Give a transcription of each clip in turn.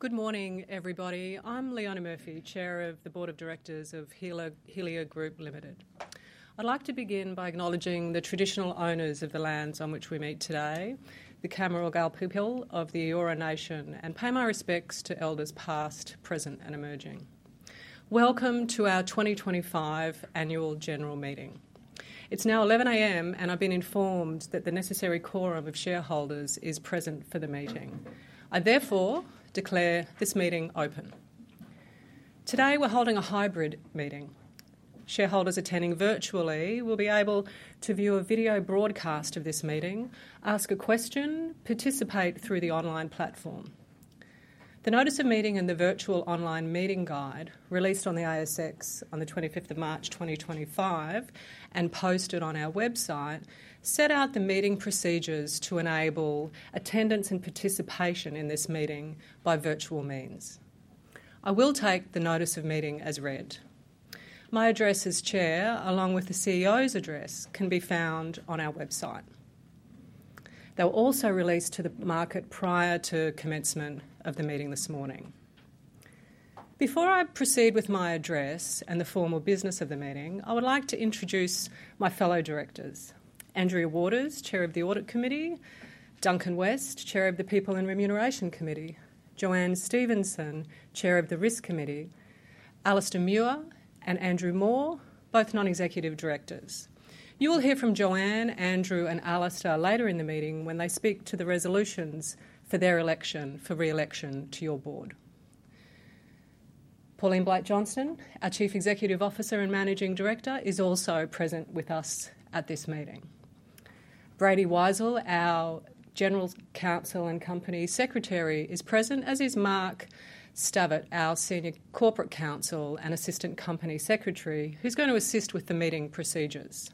Good morning, everybody. I'm Leona Murphy, Chair of the Board of Directors of Helia Group Ltd. I'd like to begin by acknowledging the traditional owners of the lands on which we meet today, the Camaralgal people of the Eora Nation, and pay my respects to Elders past, present, and emerging. Welcome to our 2025 Annual General Meeting. It's now 11:00 A.M., and I've been informed that the necessary quorum of shareholders is present for the meeting. I therefore declare this meeting open. Today we're holding a hybrid meeting. Shareholders attending virtually will be able to view a video broadcast of this meeting, ask a question, and participate through the online platform. The Notice of Meeting and the Virtual Online Meeting Guide, released on the ASX on the 25th of March 2025 and posted on our website, set out the meeting procedures to enable attendance and participation in this meeting by virtual means. I will take the Notice of Meeting as read. My address as Chair, along with the CEO's address, can be found on our website. They were also released to the market prior to commencement of the meeting this morning. Before I proceed with my address and the formal business of the meeting, I would like to introduce my fellow directors: Andrea Waters, Chair of the Audit Committee; Duncan West, Chair of the People and Remuneration Committee; JoAnne Stephenson, Chair of the Risk Committee; Alastair Muir; and Andrew Moore, both non-executive directors. You will hear from JoAnne, Andrew, and Alistair later in the meeting when they speak to the resolutions for their election or re-election to your board. Pauline Blight-Johnston, our Chief Executive Officer and Managing Director, is also present with us at this meeting. Brady Weisel, our General Counsel and Company Secretary, is present, as is Mark Stavert, our Senior Corporate Counsel and Assistant Company Secretary, who's going to assist with the meeting procedures.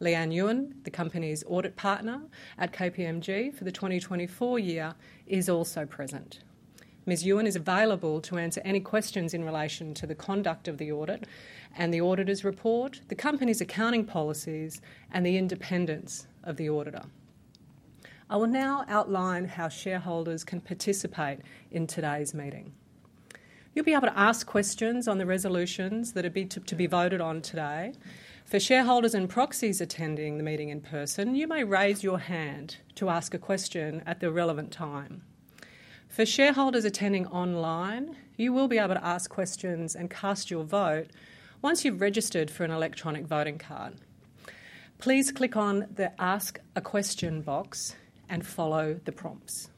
Leann Yuen, the Company's Audit Partner at KPMG for the 2024 year, is also present. Ms. Yuan is available to answer any questions in relation to the conduct of the audit and the auditor's report, the Company's accounting policies, and the independence of the auditor. I will now outline how shareholders can participate in today's meeting. You'll be able to ask questions on the resolutions that are to be voted on today. For shareholders and proxies attending the meeting in person, you may raise your hand to ask a question at the relevant time. For shareholders attending online, you will be able to ask questions and cast your vote once you've registered for an electronic voting card. Please click on the Ask a Question box and follow the prompts.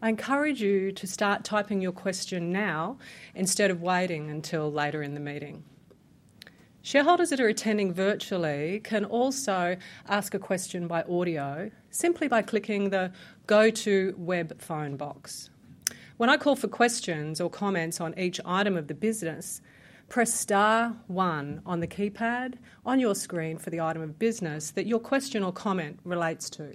I encourage you to start typing your question now instead of waiting until later in the meeting. Shareholders that are attending virtually can also ask a question by audio simply by clicking the Go to Web Phone box. When I call for questions or comments on each item of the business, press star one on the keypad on your screen for the item of business that your question or comment relates to.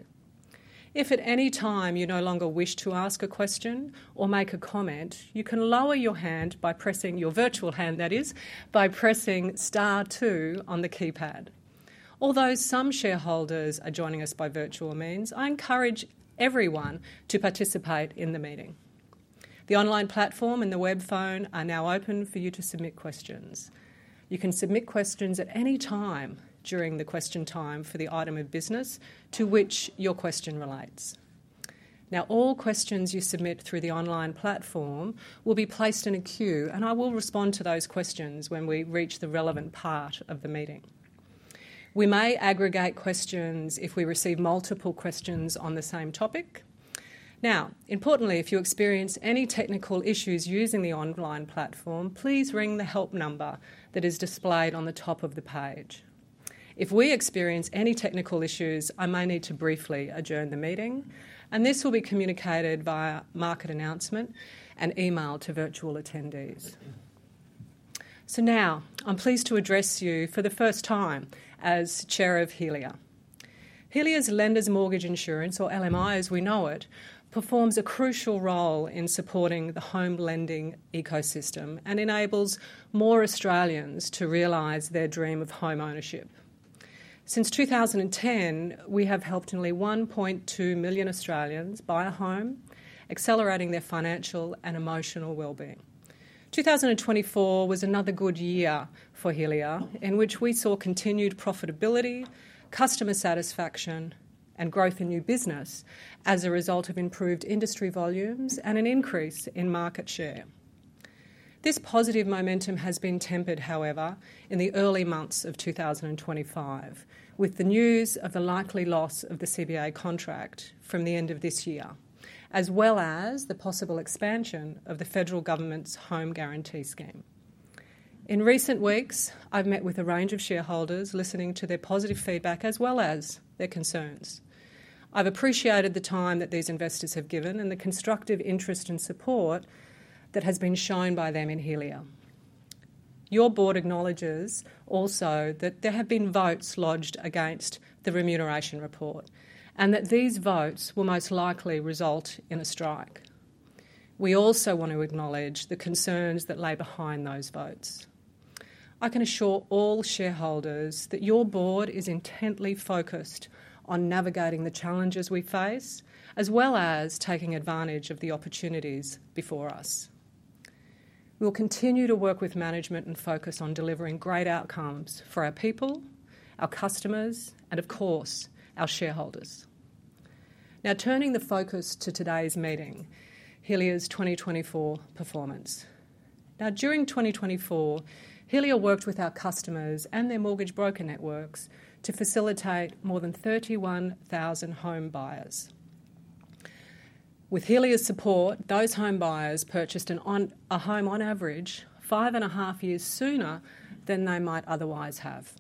If at any time you no longer wish to ask a question or make a comment, you can lower your hand by pressing your virtual hand, that is, by pressing star two on the keypad. Although some shareholders are joining us by virtual means, I encourage everyone to participate in the meeting. The online platform and the web phone are now open for you to submit questions. You can submit questions at any time during the question time for the item of business to which your question relates. Now, all questions you submit through the online platform will be placed in a queue, and I will respond to those questions when we reach the relevant part of the meeting. We may aggregate questions if we receive multiple questions on the same topic. Now, importantly, if you experience any technical issues using the online platform, please ring the help number that is displayed on the top of the page. If we experience any technical issues, I may need to briefly adjourn the meeting, and this will be communicated via market announcement and email to virtual attendees. Now I am pleased to address you for the first time as Chair of Helia. Helia's Lenders Mortgage Insurance, or LMI as we know it, performs a crucial role in supporting the home lending ecosystem and enables more Australians to realize their dream of home ownership. Since 2010, we have helped nearly 1.2 million Australians buy a home, accelerating their financial and emotional well-being. 2024 was another good year for Helia, in which we saw continued profitability, customer satisfaction, and growth in new business as a result of improved industry volumes and an increase in market share. This positive momentum has been tempered, however, in the early months of 2025 with the news of the likely loss of the CBA contract from the end of this year, as well as the possible expansion of the federal government's Home Guarantee Scheme. In recent weeks, I've met with a range of shareholders listening to their positive feedback as well as their concerns. I've appreciated the time that these investors have given and the constructive interest and support that has been shown by them in Helia. Your Board acknowledges also that there have been votes lodged against the remuneration report and that these votes will most likely result in a strike. We also want to acknowledge the concerns that lay behind those votes. I can assure all shareholders that your Board is intently focused on navigating the challenges we face as well as taking advantage of the opportunities before us. We will continue to work with management and focus on delivering great outcomes for our people, our customers, and of course, our shareholders. Now, turning the focus to today's meeting, Helia's 2024 performance. Now, during 2024, Helia worked with our customers and their mortgage broker networks to facilitate more than 31,000 home buyers. With Helia's support, those home buyers purchased a home on average 5 1/2years sooner than they might otherwise have.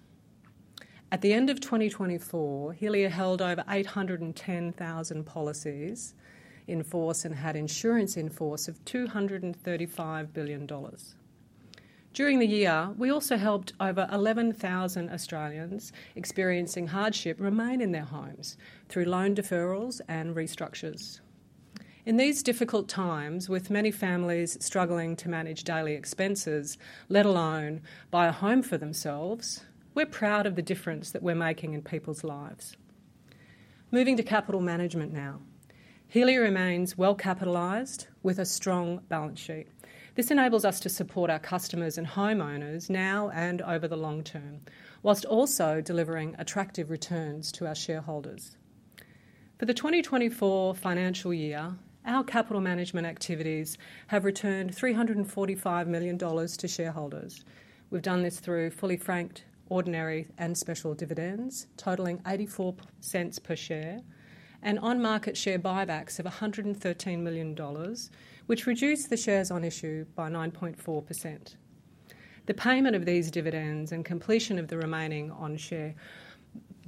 At the end of 2024, Helia held over 810,000 policies in force and had insurance in force of 235 billion dollars. During the year, we also helped over 11,000 Australians experiencing hardship remain in their homes through loan deferrals and restructures. In these difficult times, with many families struggling to manage daily expenses, let alone buy a home for themselves, we're proud of the difference that we're making in people's lives. Moving to capital management now, Helia remains well capitalized with a strong balance sheet. This enables us to support our customers and homeowners now and over the long term, whilst also delivering attractive returns to our shareholders. For the 2024 financial year, our capital management activities have returned 345 million dollars to shareholders. We've done this through fully franked ordinary and special dividends totaling 0.84 per share and on-market share buybacks of 113 million dollars, which reduced the shares on issue by 9.4%. The payment of these dividends and completion of the remaining on-share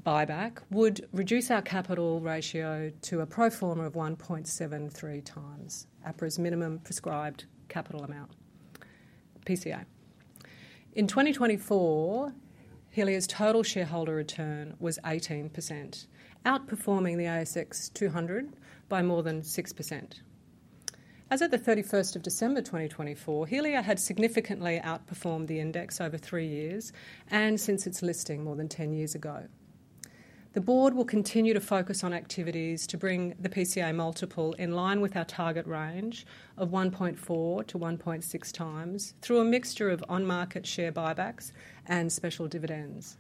buyback would reduce our capital ratio to a pro forma of 1.73x APRA's minimum prescribed capital amount, PCA. In 2024, Helia's total shareholder return was 18%, outperforming the ASX 200 by more than 6%. As of the 31st of December 2024, Helia had significantly outperformed the index over three years and since its listing more than 10 years ago. The board will continue to focus on activities to bring the PCA multiple in line with our target range of 1.4x-1.6x through a mixture of on-market share buybacks and special dividends.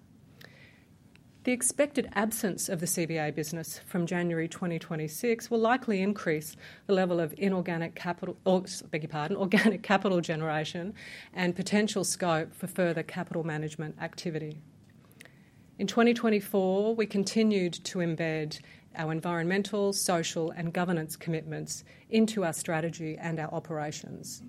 The expected absence of the CBA business from January 2026 will likely increase the level of organic capital generation and potential scope for further capital management activity. In 2024, we continued to embed our environmental, social, and governance commitments into our strategy and our operations,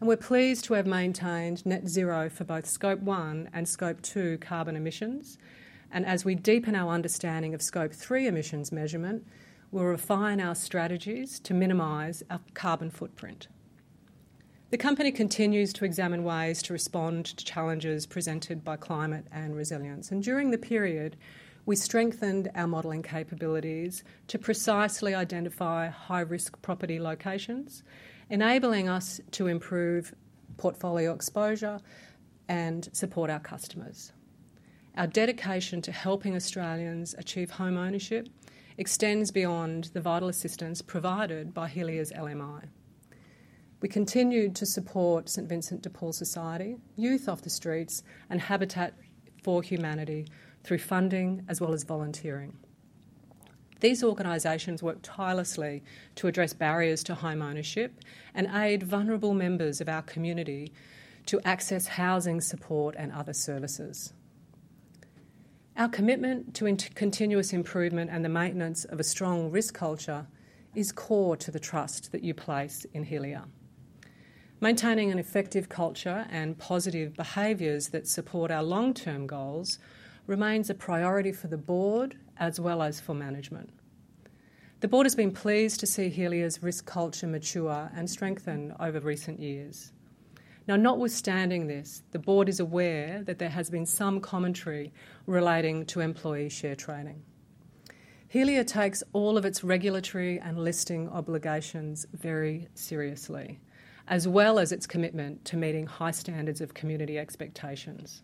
and we're pleased to have maintained net zero for both Scope 1 and Scope 2 carbon emissions. As we deepen our understanding of Scope 3 emissions measurement, we'll refine our strategies to minimize our carbon footprint. The company continues to examine ways to respond to challenges presented by climate and resilience. During the period, we strengthened our modeling capabilities to precisely identify high-risk property locations, enabling us to improve portfolio exposure and support our customers. Our dedication to helping Australians achieve home ownership extends beyond the vital assistance provided by Helia's LMI. We continue to support St. Vincent de Paul Society, Youth Off the Streets, and Habitat for Humanity through funding as well as volunteering. These organizations work tirelessly to address barriers to home ownership and aid vulnerable members of our community to access housing support and other services. Our commitment to continuous improvement and the maintenance of a strong risk culture is core to the trust that you place in Helia. Maintaining an effective culture and positive behaviors that support our long-term goals remains a priority for the board as well as for management. The board has been pleased to see Helia's risk culture mature and strengthen over recent years. Now, notwithstanding this, the board is aware that there has been some commentary relating to employee share trading. Helia takes all of its regulatory and listing obligations very seriously, as well as its commitment to meeting high standards of community expectations.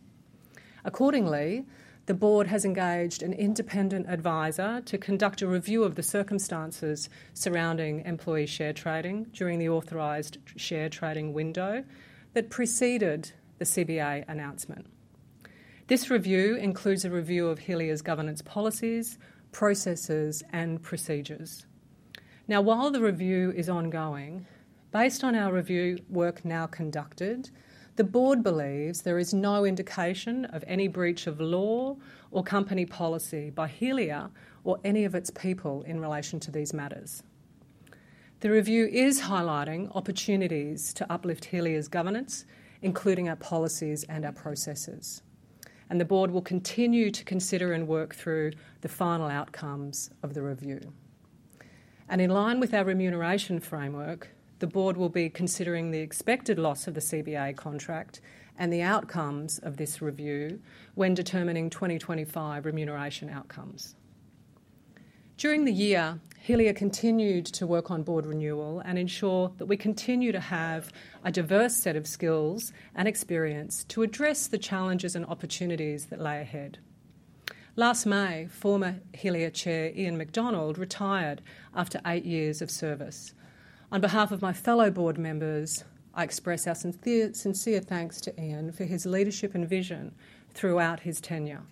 Accordingly, the board has engaged an independent advisor to conduct a review of the circumstances surrounding employee share trading during the authorized share trading window that preceded the CBA announcement. This review includes a review of Helia's governance policies, processes, and procedures. Now, while the review is ongoing, based on our review work now conducted, the board believes there is no indication of any breach of law or company policy by Helia or any of its people in relation to these matters. The review is highlighting opportunities to uplift Helia's governance, including our policies and our processes, and the board will continue to consider and work through the final outcomes of the review. In line with our remuneration framework, the board will be considering the expected loss of the CBA contract and the outcomes of this review when determining 2025 remuneration outcomes. During the year, Helia continued to work on board renewal and ensure that we continue to have a diverse set of skills and experience to address the challenges and opportunities that lay ahead. Last May, former Helia Chair Ian McDonald retired after eight years of service. On behalf of my fellow board members, I express our sincere thanks to Ian for his leadership and vision throughout his tenure.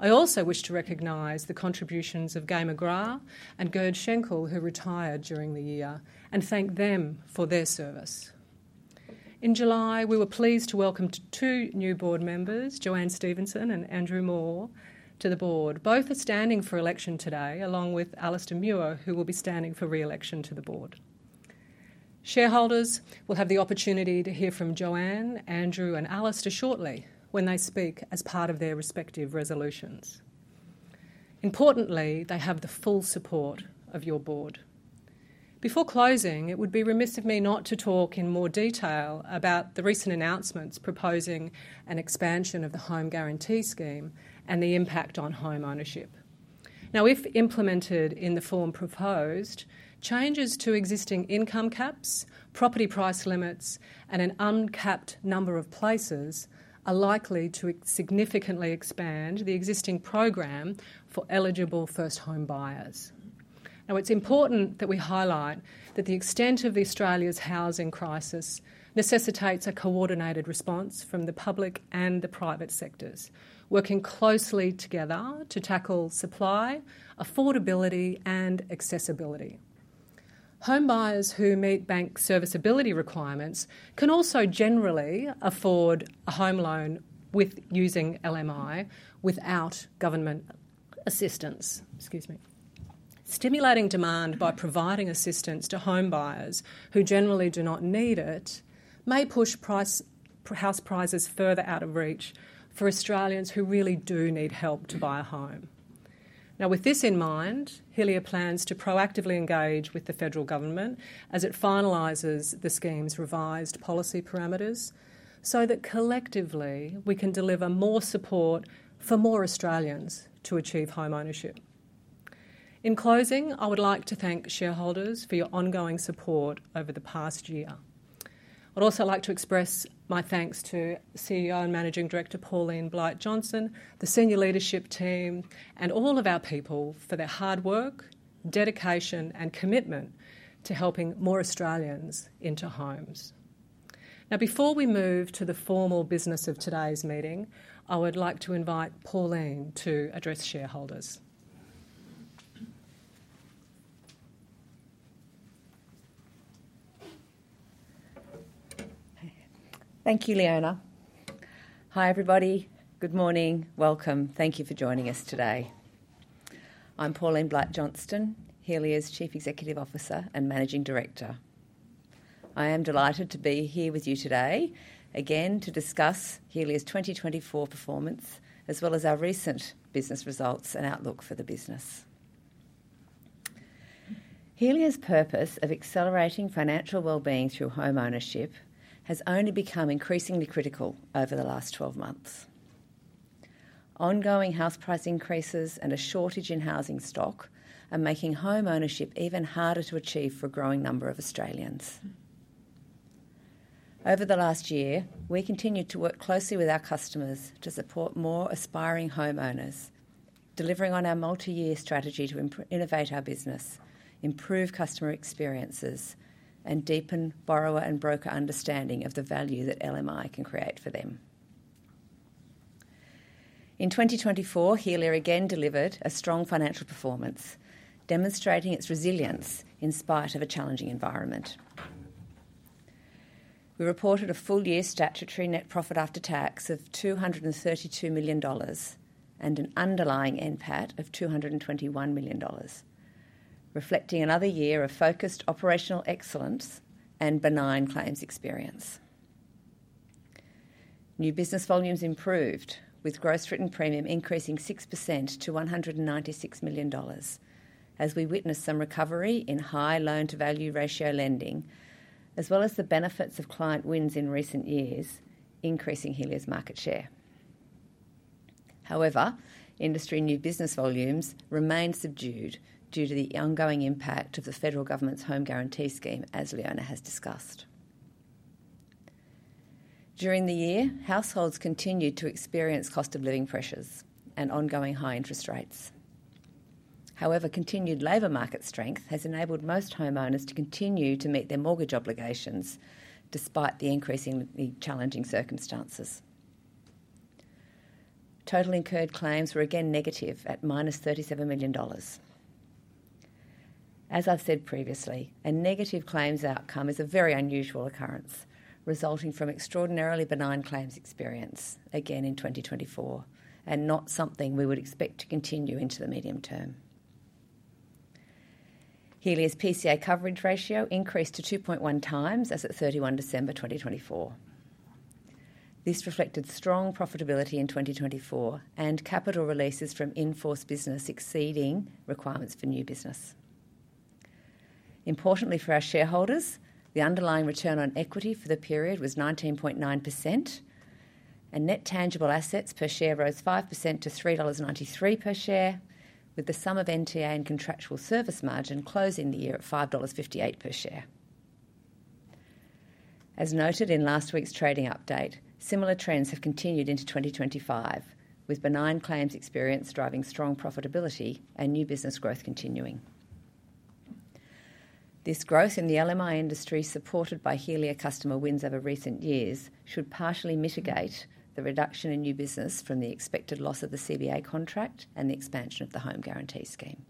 I also wish to recognize the contributions of Gay McGrath and Gerd Schenkel, who retired during the year, and thank them for their service. In July, we were pleased to welcome two new board members, JoAnne Stevenson and Andrew Moore, to the board. Both are standing for election today, along with Alastair Muir, who will be standing for re-election to the board. Shareholders will have the opportunity to hear from JoAnne, Andrew, and Alastair shortly when they speak as part of their respective resolutions. Importantly, they have the full support of your board. Before closing, it would be remiss of me not to talk in more detail about the recent announcements proposing an expansion of the Home Guarantee Scheme and the impact on home ownership. Now, if implemented in the form proposed, changes to existing income caps, property price limits, and an uncapped number of places are likely to significantly expand the existing program for eligible first home buyers. Now, it's important that we highlight that the extent of Australia's housing crisis necessitates a coordinated response from the public and the private sectors, working closely together to tackle supply, affordability, and accessibility. Home buyers who meet bank serviceability requirements can also generally afford a home loan using LMI without government assistance. Excuse me. Stimulating demand by providing assistance to home buyers who generally do not need it may push house prices further out of reach for Australians who really do need help to buy a home. Now, with this in mind, Helia plans to proactively engage with the federal government as it finalizes the scheme's revised policy parameters so that collectively we can deliver more support for more Australians to achieve home ownership. In closing, I would like to thank shareholders for your ongoing support over the past year. I'd also like to express my thanks to CEO and Managing Director Pauline Blight-Johnston, the senior leadership team, and all of our people for their hard work, dedication, and commitment to helping more Australians into homes. Now, before we move to the formal business of today's meeting, I would like to invite Pauline to address shareholders. Thank you, Leona. Hi, everybody. Good morning. Welcome. Thank you for joining us today. I'm Pauline Blight-Johnston, Helia's Chief Executive Officer and Managing Director. I am delighted to be here with you today again to discuss Helia's 2024 performance as well as our recent business results and outlook for the business. Helia's purpose of accelerating financial well-being through home ownership has only become increasingly critical over the last 12 months. Ongoing house price increases and a shortage in housing stock are making home ownership even harder to achieve for a growing number of Australians. Over the last year, we continued to work closely with our customers to support more aspiring homeowners, delivering on our multi-year strategy to innovate our business, improve customer experiences, and deepen borrower and broker understanding of the value that LMI can create for them. In 2024, Helia again delivered a strong financial performance, demonstrating its resilience in spite of a challenging environment. We reported a full-year statutory net profit after tax of 232 million dollars and an underlying NPAT of 221 million dollars, reflecting another year of focused operational excellence and benign claims experience. New business volumes improved, with gross written premium increasing 6% to 196 million dollars as we witnessed some recovery in high loan-to-value ratio lending, as well as the benefits of client wins in recent years, increasing Helia's market share. However, industry new business volumes remained subdued due to the ongoing impact of the federal government's Home Guarantee Scheme, as Leona has discussed. During the year, households continued to experience cost of living pressures and ongoing high interest rates. However, continued labor market strength has enabled most homeowners to continue to meet their mortgage obligations despite the increasingly challenging circumstances. Total incurred claims were again negative at -37 million dollars. As I've said previously, a negative claims outcome is a very unusual occurrence resulting from extraordinarily benign claims experience again in 2024 and not something we would expect to continue into the medium term. Helia's PCA coverage ratio increased to 2.1x as of 31 December 2024. This reflected strong profitability in 2024 and capital releases from in-force business exceeding requirements for new business. Importantly for our shareholders, the underlying return on equity for the period was 19.9%, and net tangible assets per share rose 5% to 3.93 dollars per share, with the sum of NTA and contractual service margin closing the year at 5.58 dollars per share. As noted in last week's trading update, similar trends have continued into 2025, with benign claims experience driving strong profitability and new business growth continuing. This growth in the LMI industry, supported by Helia customer wins over recent years, should partially mitigate the reduction in new business from the expected loss of the CBA contract and the expansion of the Home Guarantee Scheme.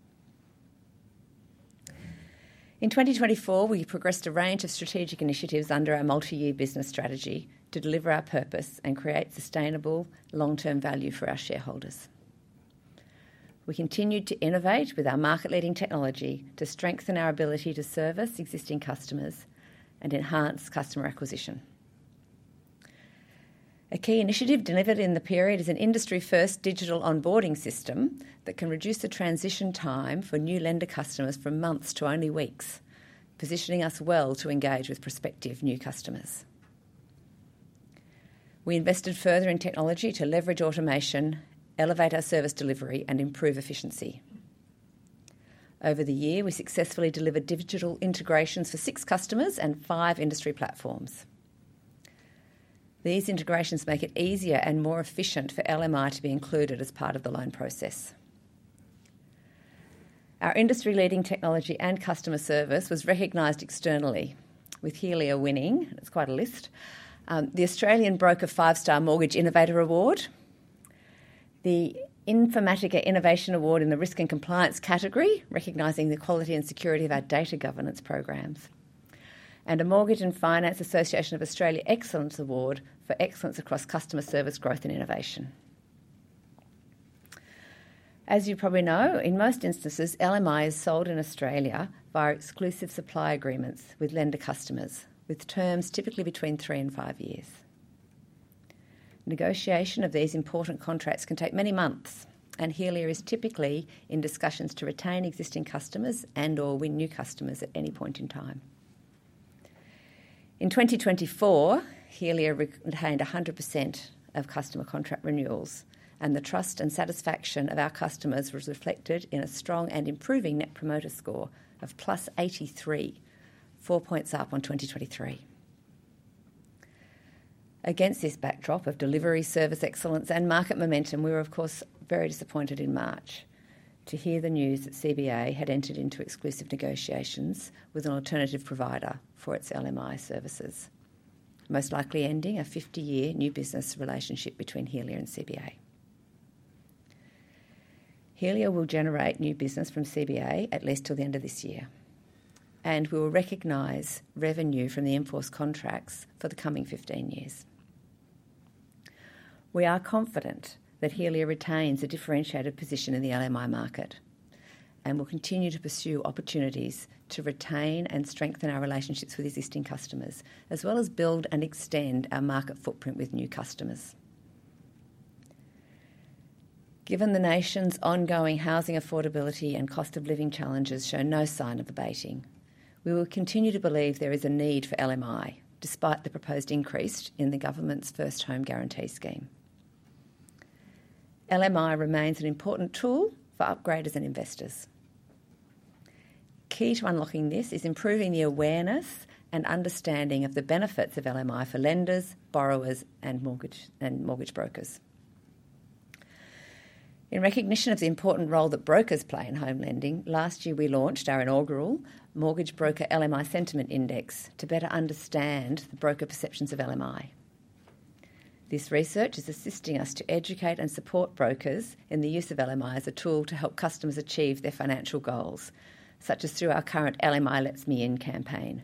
In 2024, we progressed a range of strategic initiatives under our multi-year business strategy to deliver our purpose and create sustainable long-term value for our shareholders. We continued to innovate with our market-leading technology to strengthen our ability to service existing customers and enhance customer acquisition. A key initiative delivered in the period is an industry-first digital onboarding system that can reduce the transition time for new lender customers from months to only weeks, positioning us well to engage with prospective new customers. We invested further in technology to leverage automation, elevate our service delivery, and improve efficiency. Over the year, we successfully delivered digital integrations for six customers and five industry platforms. These integrations make it easier and more efficient for LMI to be included as part of the loan process. Our industry-leading technology and customer service was recognized externally, with Helia winning—it's quite a list—the Australian Broker 5-Star Mortgage Innovator Award, the Informatica Innovation Award in the Risk and Compliance category, recognizing the quality and security of our data governance programs, and the Mortgage and Finance Association of Australia Excellence Award for excellence across customer service growth and innovation. As you probably know, in most instances, LMI is sold in Australia via exclusive supply agreements with lender customers, with terms typically between three years and five years. Negotiation of these important contracts can take many months, and Helia is typically in discussions to retain existing customers and/or win new customers at any point in time. In 2024, Helia retained 100% of customer contract renewals, and the trust and satisfaction of our customers was reflected in a strong and improving Net Promoter Score of +83, four points up on 2023. Against this backdrop of delivery service excellence and market momentum, we were, of course, very disappointed in March to hear the news that CBA had entered into exclusive negotiations with an alternative provider for its LMI services, most likely ending a 50-year new business relationship between Helia and CBA. Helia will generate new business from CBA at least till the end of this year, and we will recognize revenue from the in-force contracts for the coming 15 years. We are confident that Helia retains a differentiated position in the LMI market and will continue to pursue opportunities to retain and strengthen our relationships with existing customers, as well as build and extend our market footprint with new customers. Given the nation's ongoing housing affordability and cost of living challenges show no sign of abating, we will continue to believe there is a need for LMI despite the proposed increase in the government's first home guarantee scheme. LMI remains an important tool for upgraders and investors. Key to unlocking this is improving the awareness and understanding of the benefits of LMI for lenders, borrowers, and mortgage brokers. In recognition of the important role that brokers play in home lending, last year we launched our inaugural Mortgage Broker LMI Sentiment Index to better understand the broker perceptions of LMI. This research is assisting us to educate and support brokers in the use of LMI as a tool to help customers achieve their financial goals, such as through our current LMI Let's Meet In campaign.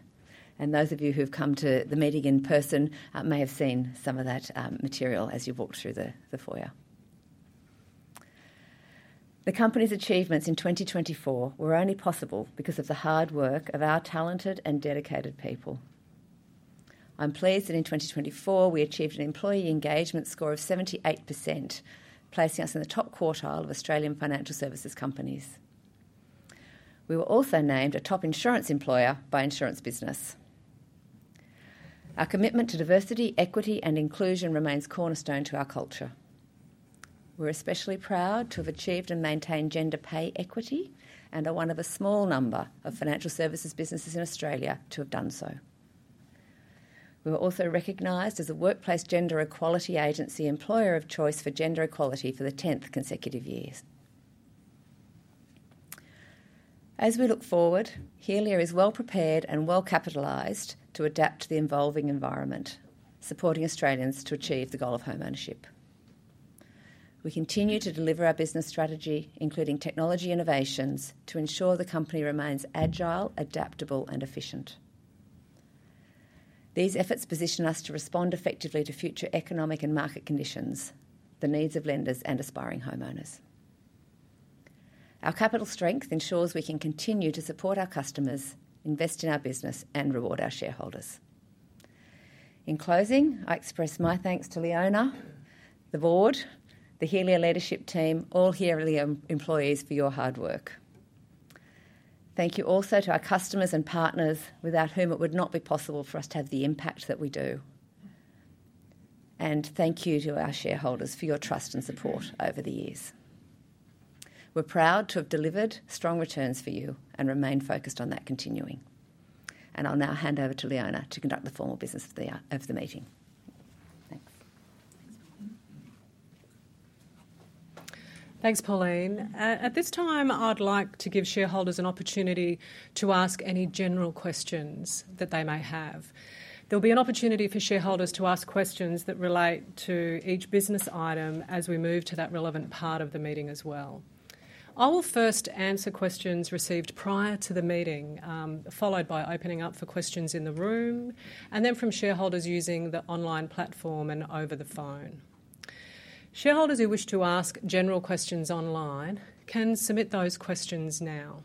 Those of you who have come to the meeting in person may have seen some of that material as you walked through the foyer. The company's achievements in 2024 were only possible because of the hard work of our talented and dedicated people. I'm pleased that in 2024 we achieved an employee engagement score of 78%, placing us in the top quartile of Australian financial services companies. We were also named a top insurance employer by Insurance Business. Our commitment to diversity, equity, and inclusion remains cornerstone to our culture. We're especially proud to have achieved and maintained gender pay equity and are one of a small number of financial services businesses in Australia to have done so. We were also recognized as a Workplace Gender Equality Agency employer of choice for gender equality for the 10th consecutive years. As we look forward, Helia is well prepared and well capitalized to adapt to the evolving environment, supporting Australians to achieve the goal of home ownership. We continue to deliver our business strategy, including technology innovations, to ensure the company remains agile, adaptable, and efficient. These efforts position us to respond effectively to future economic and market conditions, the needs of lenders and aspiring homeowners. Our capital strength ensures we can continue to support our customers, invest in our business, and reward our shareholders. In closing, I express my thanks to Leona, the board, the Helia leadership team, all Helia employees for your hard work. Thank you also to our customers and partners without whom it would not be possible for us to have the impact that we do. Thank you to our shareholders for your trust and support over the years. We're proud to have delivered strong returns for you and remain focused on that continuing. I'll now hand over to Leona to conduct the formal business of the meeting. Thanks. Thanks, Pauline. At this time, I'd like to give shareholders an opportunity to ask any general questions that they may have. There will be an opportunity for shareholders to ask questions that relate to each business item as we move to that relevant part of the meeting as well. I will first answer questions received prior to the meeting, followed by opening up for questions in the room and then from shareholders using the online platform and over the phone. Shareholders who wish to ask general questions online can submit those questions now.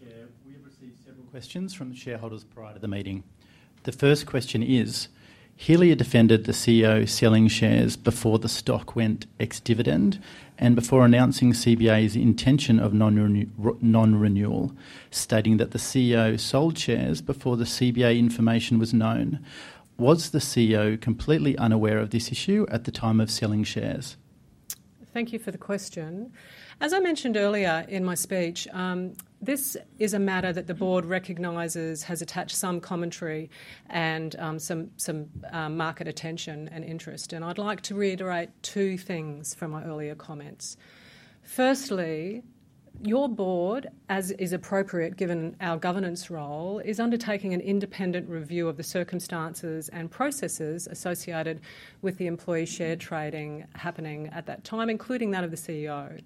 Chair, we have received several questions from the shareholders prior to the meeting. The first question is, Helia defended the CEO selling shares before the stock went ex-dividend and before announcing CBA's intention of non-renewal, stating that the CEO sold shares before the CBA information was known. Was the CEO completely unaware of this issue at the time of selling shares? Thank you for the question. As I mentioned earlier in my speech, this is a matter that the board recognizes has attached some commentary and some market attention and interest. I would like to reiterate two things from my earlier comments. Firstly, your board, as is appropriate given our governance role, is undertaking an independent review of the circumstances and processes associated with the employee share trading happening at that time, including that of the CEO.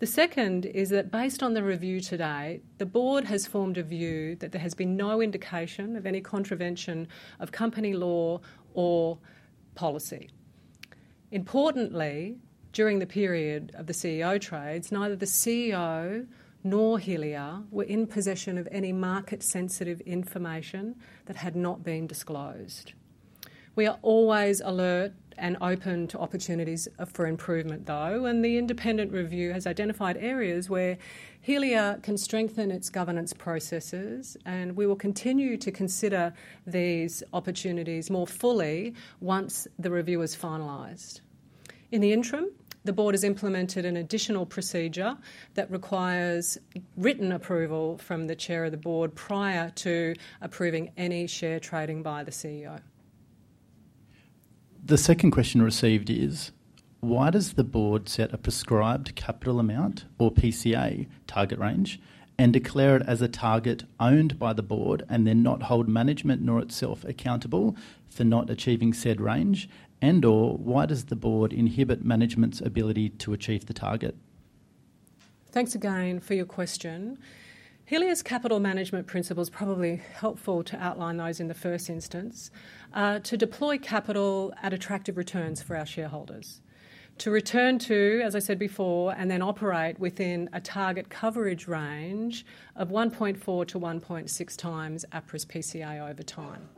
The second is that based on the review today, the board has formed a view that there has been no indication of any contravention of company law or policy. Importantly, during the period of the CEO trades, neither the CEO nor Helia were in possession of any market-sensitive information that had not been disclosed. We are always alert and open to opportunities for improvement, though, and the independent review has identified areas where Helia can strengthen its governance processes, and we will continue to consider these opportunities more fully once the review is finalized. In the interim, the board has implemented an additional procedure that requires written approval from the Chair of the Board prior to approving any share trading by the CEO. The second question received is, why does the board set a prescribed capital amount or PCA target range and declare it as a target owned by the board and then not hold management nor itself accountable for not achieving said range, and/or why does the board inhibit management's ability to achieve the target? Thanks again for your question. Helia's capital management principle is probably helpful to outline those in the first instance, to deploy capital at attractive returns for our shareholders, to return to, as I said before, and then operate within a target coverage range of 1.4x-1.6x APRA's PCA over time.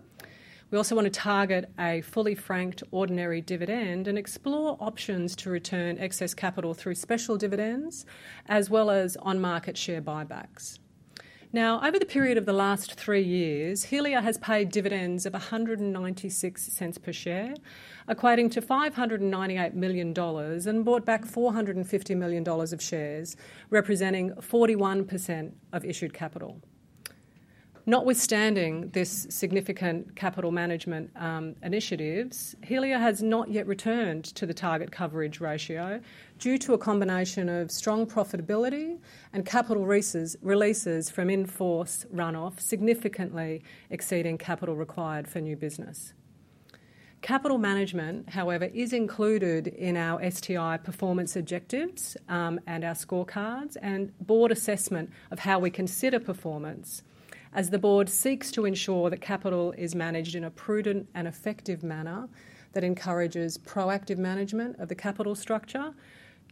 We also want to target a fully franked ordinary dividend and explore options to return excess capital through special dividends as well as on-market share buybacks. Now, over the period of the last three years, Helia has paid dividends of 1.96 per share, equating to 598 million dollars, and bought back 450 million dollars of shares, representing 41% of issued capital. Notwithstanding this significant capital management initiatives, Helia has not yet returned to the target coverage ratio due to a combination of strong profitability and capital releases from in-force runoff significantly exceeding capital required for new business. Capital management, however, is included in our STI performance objectives and our scorecards and board assessment of how we consider performance, as the board seeks to ensure that capital is managed in a prudent and effective manner that encourages proactive management of the capital structure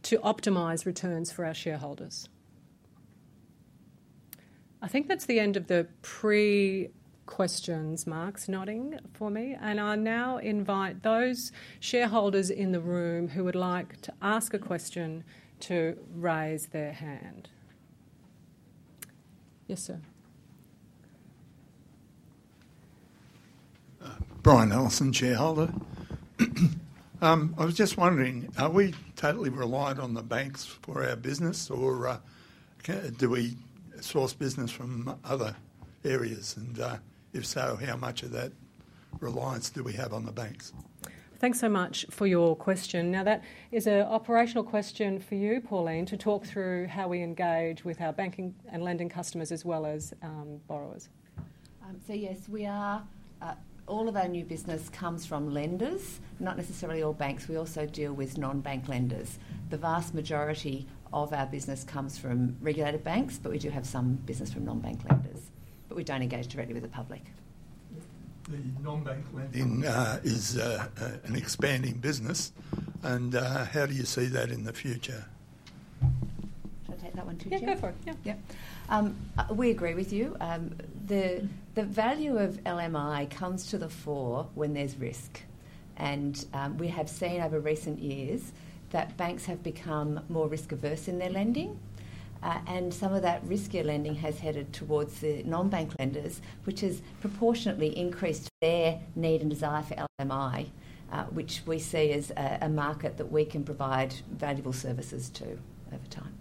to optimize returns for our shareholders. I think that's the end of the pre-questions, Mark's nodding for me. I'll now invite those shareholders in the room who would like to ask a question to raise their hand. Yes, sir. Brian Ellison, shareholder. I was just wondering, are we totally reliant on the banks for our business, or do we source business from other areas? If so, how much of that reliance do we have on the banks? Thanks so much for your question. That is an operational question for you, Pauline, to talk through how we engage with our banking and lending customers as well as borrowers. Yes, all of our new business comes from lenders, not necessarily all banks. We also deal with non-bank lenders. The vast majority of our business comes from regulated banks, but we do have some business from non-bank lenders. We do not engage directly with the public. The non-bank lending is an expanding business, and how do you see that in the future? Should I take that one too? Go for it. Yeah. We agree with you. The value of LMI comes to the fore when there is risk. We have seen over recent years that banks have become more risk-averse in their lending. Some of that riskier lending has headed towards the non-bank lenders, which has proportionately increased their need and desire for LMI, which we see as a market that we can provide valuable services to over time.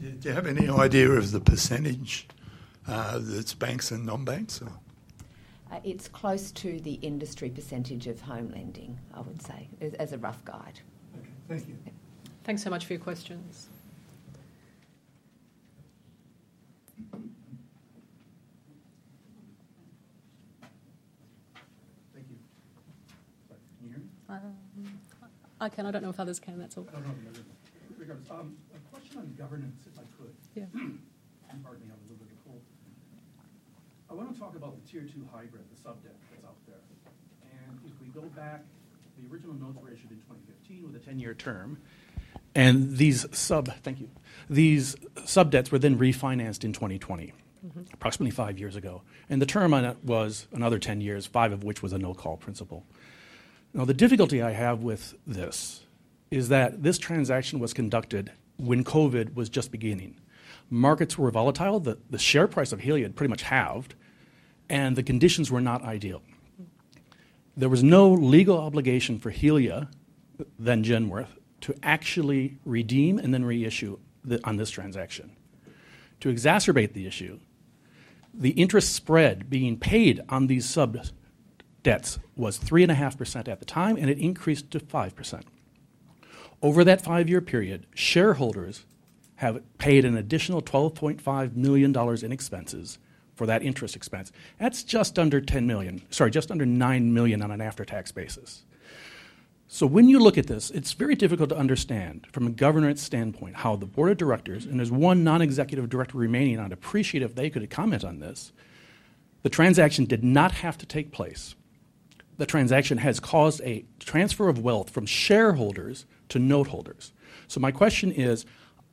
Do you have any idea of the percentage that is banks and non-banks, or? It is close to the industry percentage of home lending, I would say, as a rough guide. Okay. Thank you. Thanks so much for your questions. Thank you. Can you hear me? I can. I do not know if others can. That is all. A question on governance, if I could. Pardon me, I was a little bit of a fool. I want to talk about the tier two hybrid, the sub-debt that is out there. If we go back, the original notes were issued in 2015 with a 10-year term. These sub-debts were then refinanced in 2020, approximately five years ago. The term on it was another 10 years, five of which was a no-call principle. The difficulty I have with this is that this transaction was conducted when COVID was just beginning. Markets were volatile. The share price of Helia had pretty much halved, and the conditions were not ideal. There was no legal obligation for Helia, then Genworth, to actually redeem and then reissue on this transaction. To exacerbate the issue, the interest spread being paid on these sub-debts was 3.5% at the time, and it increased to 5%. Over that five-year period, shareholders have paid an additional 12.5 million dollars in expenses for that interest expense. That's just under 10 million—sorry, just under 9 million on an after-tax basis. When you look at this, it's very difficult to understand from a governance standpoint how the board of directors—and there's one non-executive director remaining—I'd appreciate if they could comment on this. The transaction did not have to take place. The transaction has caused a transfer of wealth from shareholders to noteholders. My question is,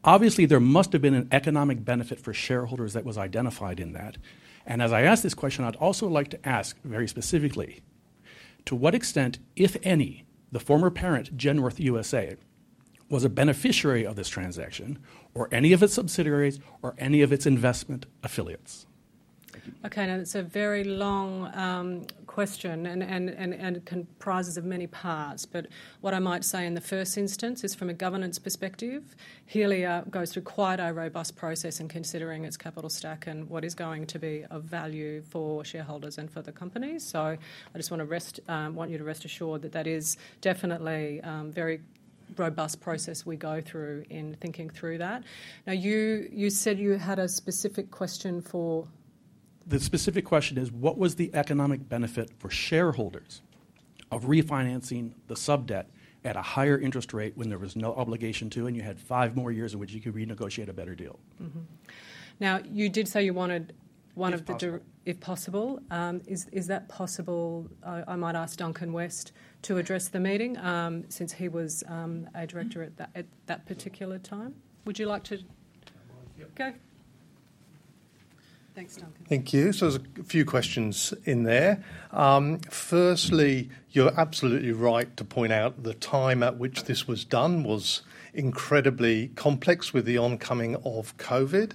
obviously, there must have been an economic benefit for shareholders that was identified in that. As I ask this question, I'd also like to ask very specifically, to what extent, if any, the former parent, Genworth USA, was a beneficiary of this transaction or any of its subsidiaries or any of its investment affiliates? Okay. It's a very long question and comprises of many parts. What I might say in the first instance is, from a governance perspective, Helia goes through quite a robust process in considering its capital stack and what is going to be of value for shareholders and for the company. I just want you to rest assured that that is definitely a very robust process we go through in thinking through that. Now, you said you had a specific question for— The specific question is, what was the economic benefit for shareholders of refinancing the sub-debt at a higher interest rate when there was no obligation to, and you had five more years in which you could renegotiate a better deal? Now, you did say you wanted one of the—if possible. Is that possible? I might ask Duncan West to address the meeting since he was a director at that particular time. Would you like to go? Thanks, Duncan. Thank you. So there's a few questions in there. Firstly, you're absolutely right to point out the time at which this was done was incredibly complex with the oncoming of COVID.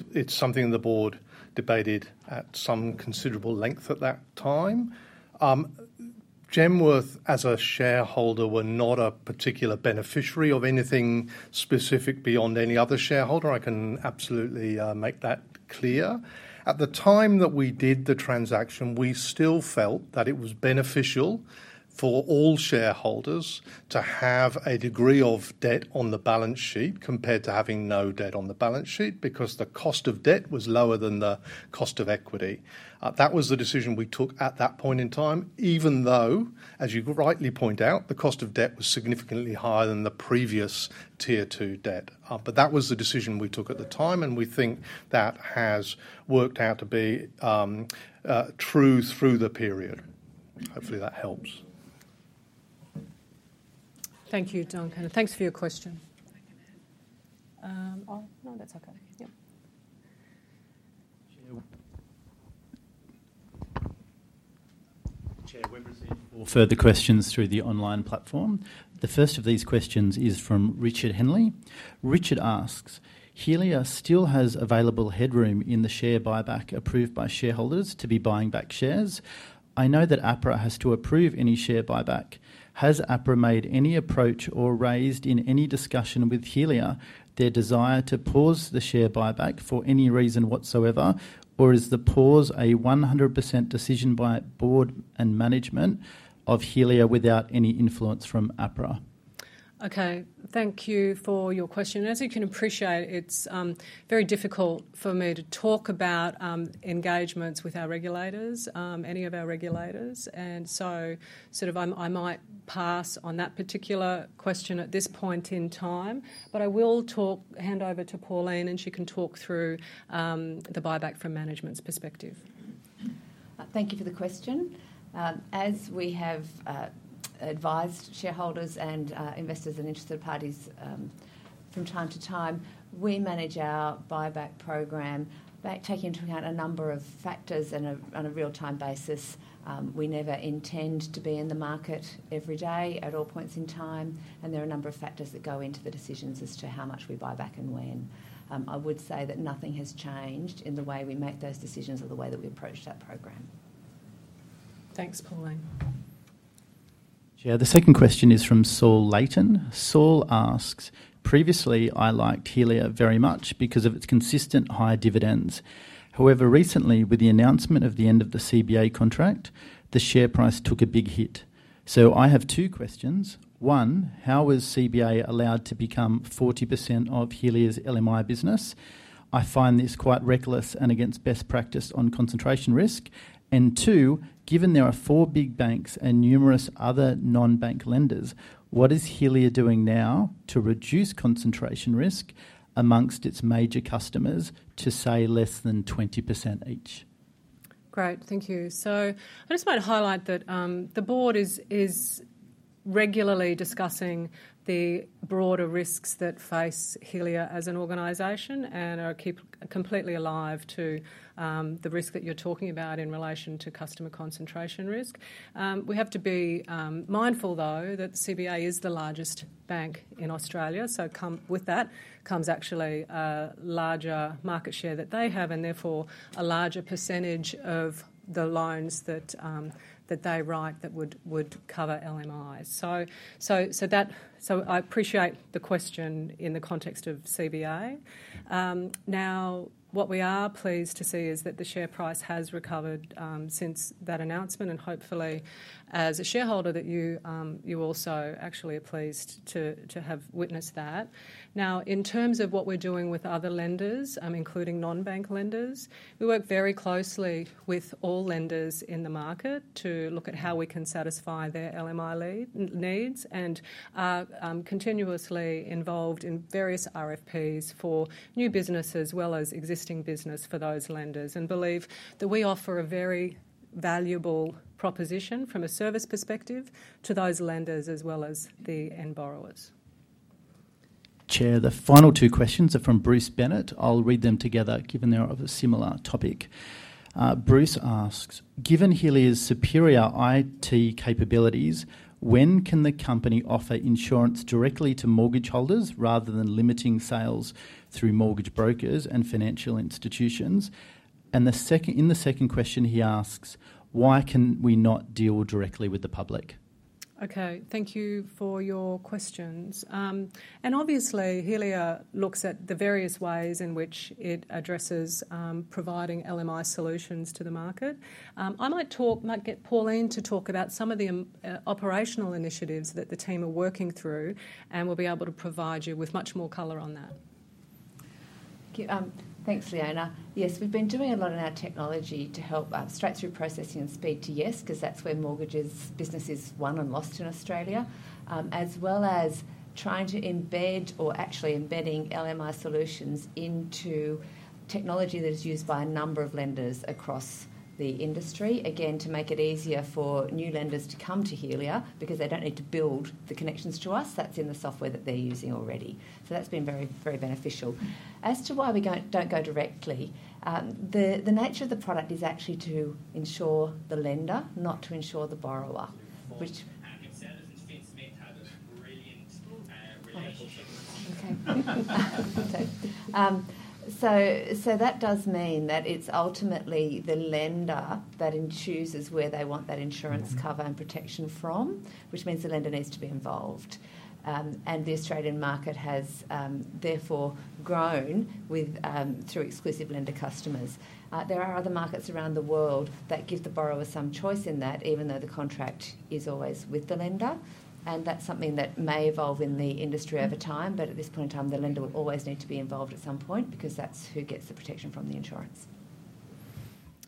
It is something the board debated at some considerable length at that time. Genworth, as a shareholder, were not a particular beneficiary of anything specific beyond any other shareholder. I can absolutely make that clear. At the time that we did the transaction, we still felt that it was beneficial for all shareholders to have a degree of debt on the balance sheet compared to having no debt on the balance sheet because the cost of debt was lower than the cost of equity. That was the decision we took at that point in time, even though, as you rightly point out, the cost of debt was significantly higher than the previous tier two debt. That was the decision we took at the time, and we think that has worked out to be true through the period. Hopefully, that helps. Thank you, Duncan. Thanks for your question. Oh, no, that's okay. Chair Wimber, please. We will further questions through the online platform. The first of these questions is from Richard Henley. Richard asks, "Helia still has available headroom in the share buyback approved by shareholders to be buying back shares. I know that APRA has to approve any share buyback. Has APRA made any approach or raised in any discussion with Helia their desire to pause the share buyback for any reason whatsoever, or is the pause a 100% decision by board and management of Helia without any influence from APRA?" Okay. Thank you for your question. As you can appreciate, it's very difficult for me to talk about engagements with our regulators, any of our regulators. I might pass on that particular question at this point in time. I will hand over to Pauline, and she can talk through the buyback from management's perspective. Thank you for the question. As we have advised shareholders and investors and interested parties from time to time, we manage our buyback program by taking into account a number of factors on a real-time basis. We never intend to be in the market every day at all points in time, and there are a number of factors that go into the decisions as to how much we buy back and when. I would say that nothing has changed in the way we make those decisions or the way that we approach that program. Thanks, Pauline. Chair, the second question is from Saul Leighton. Saul asks, "Previously, I liked Helia very much because of its consistent high dividends. However, recently, with the announcement of the end of the CBA contract, the share price took a big hit. So I have two questions. One, how was CBA allowed to become 40% of Helia's LMI business? I find this quite reckless and against best practice on concentration risk. And two, given there are four big banks and numerous other non-bank lenders, what is Helia doing now to reduce concentration risk amongst its major customers to, say, less than 20% each? Great. Thank you. I just might highlight that the board is regularly discussing the broader risks that face Helia as an organization and are completely alive to the risk that you're talking about in relation to customer concentration risk. We have to be mindful, though, that CBA is the largest bank in Australia. With that comes actually a larger market share that they have and therefore a larger percentage of the loans that they write that would cover LMIs. I appreciate the question in the context of CBA. Now, what we are pleased to see is that the share price has recovered since that announcement. Hopefully, as a shareholder, you also actually are pleased to have witnessed that. In terms of what we're doing with other lenders, including non-bank lenders, we work very closely with all lenders in the market to look at how we can satisfy their LMI needs and are continuously involved in various RFPs for new business as well as existing business for those lenders and believe that we offer a very valuable proposition from a service perspective to those lenders as well as the end borrowers. Chair, the final two questions are from Bruce Bennett. I'll read them together given they're of a similar topic. Bruce asks, "Given Helia's superior IT capabilities, when can the company offer insurance directly to mortgage holders rather than limiting sales through mortgage brokers and financial institutions?" In the second question, he asks, "Why can we not deal directly with the public?" Okay. Thank you for your questions. Obviously, Helia looks at the various ways in which it addresses providing LMI solutions to the market. I might get Pauline to talk about some of the operational initiatives that the team are working through, and we will be able to provide you with much more color on that. Thanks, Leona. Yes, we've been doing a lot in our technology to help straight-through processing and speed to yes because that's where mortgage business is won and lost in Australia, as well as trying to embed or actually embedding LMI solutions into technology that is used by a number of lenders across the industry, again, to make it easier for new lenders to come to Helia because they don't need to build the connections to us. That's in the software that they're using already. That has been very, very beneficial. As to why we don't go directly, the nature of the product is actually to insure the lender, not to insure the borrower, which means that it's ultimately the lender that chooses where they want that insurance cover and protection from, which means the lender needs to be involved. The Australian market has therefore grown through exclusive lender customers. There are other markets around the world that give the borrower some choice in that, even though the contract is always with the lender. That is something that may evolve in the industry over time. At this point in time, the lender will always need to be involved at some point because that is who gets the protection from the insurance.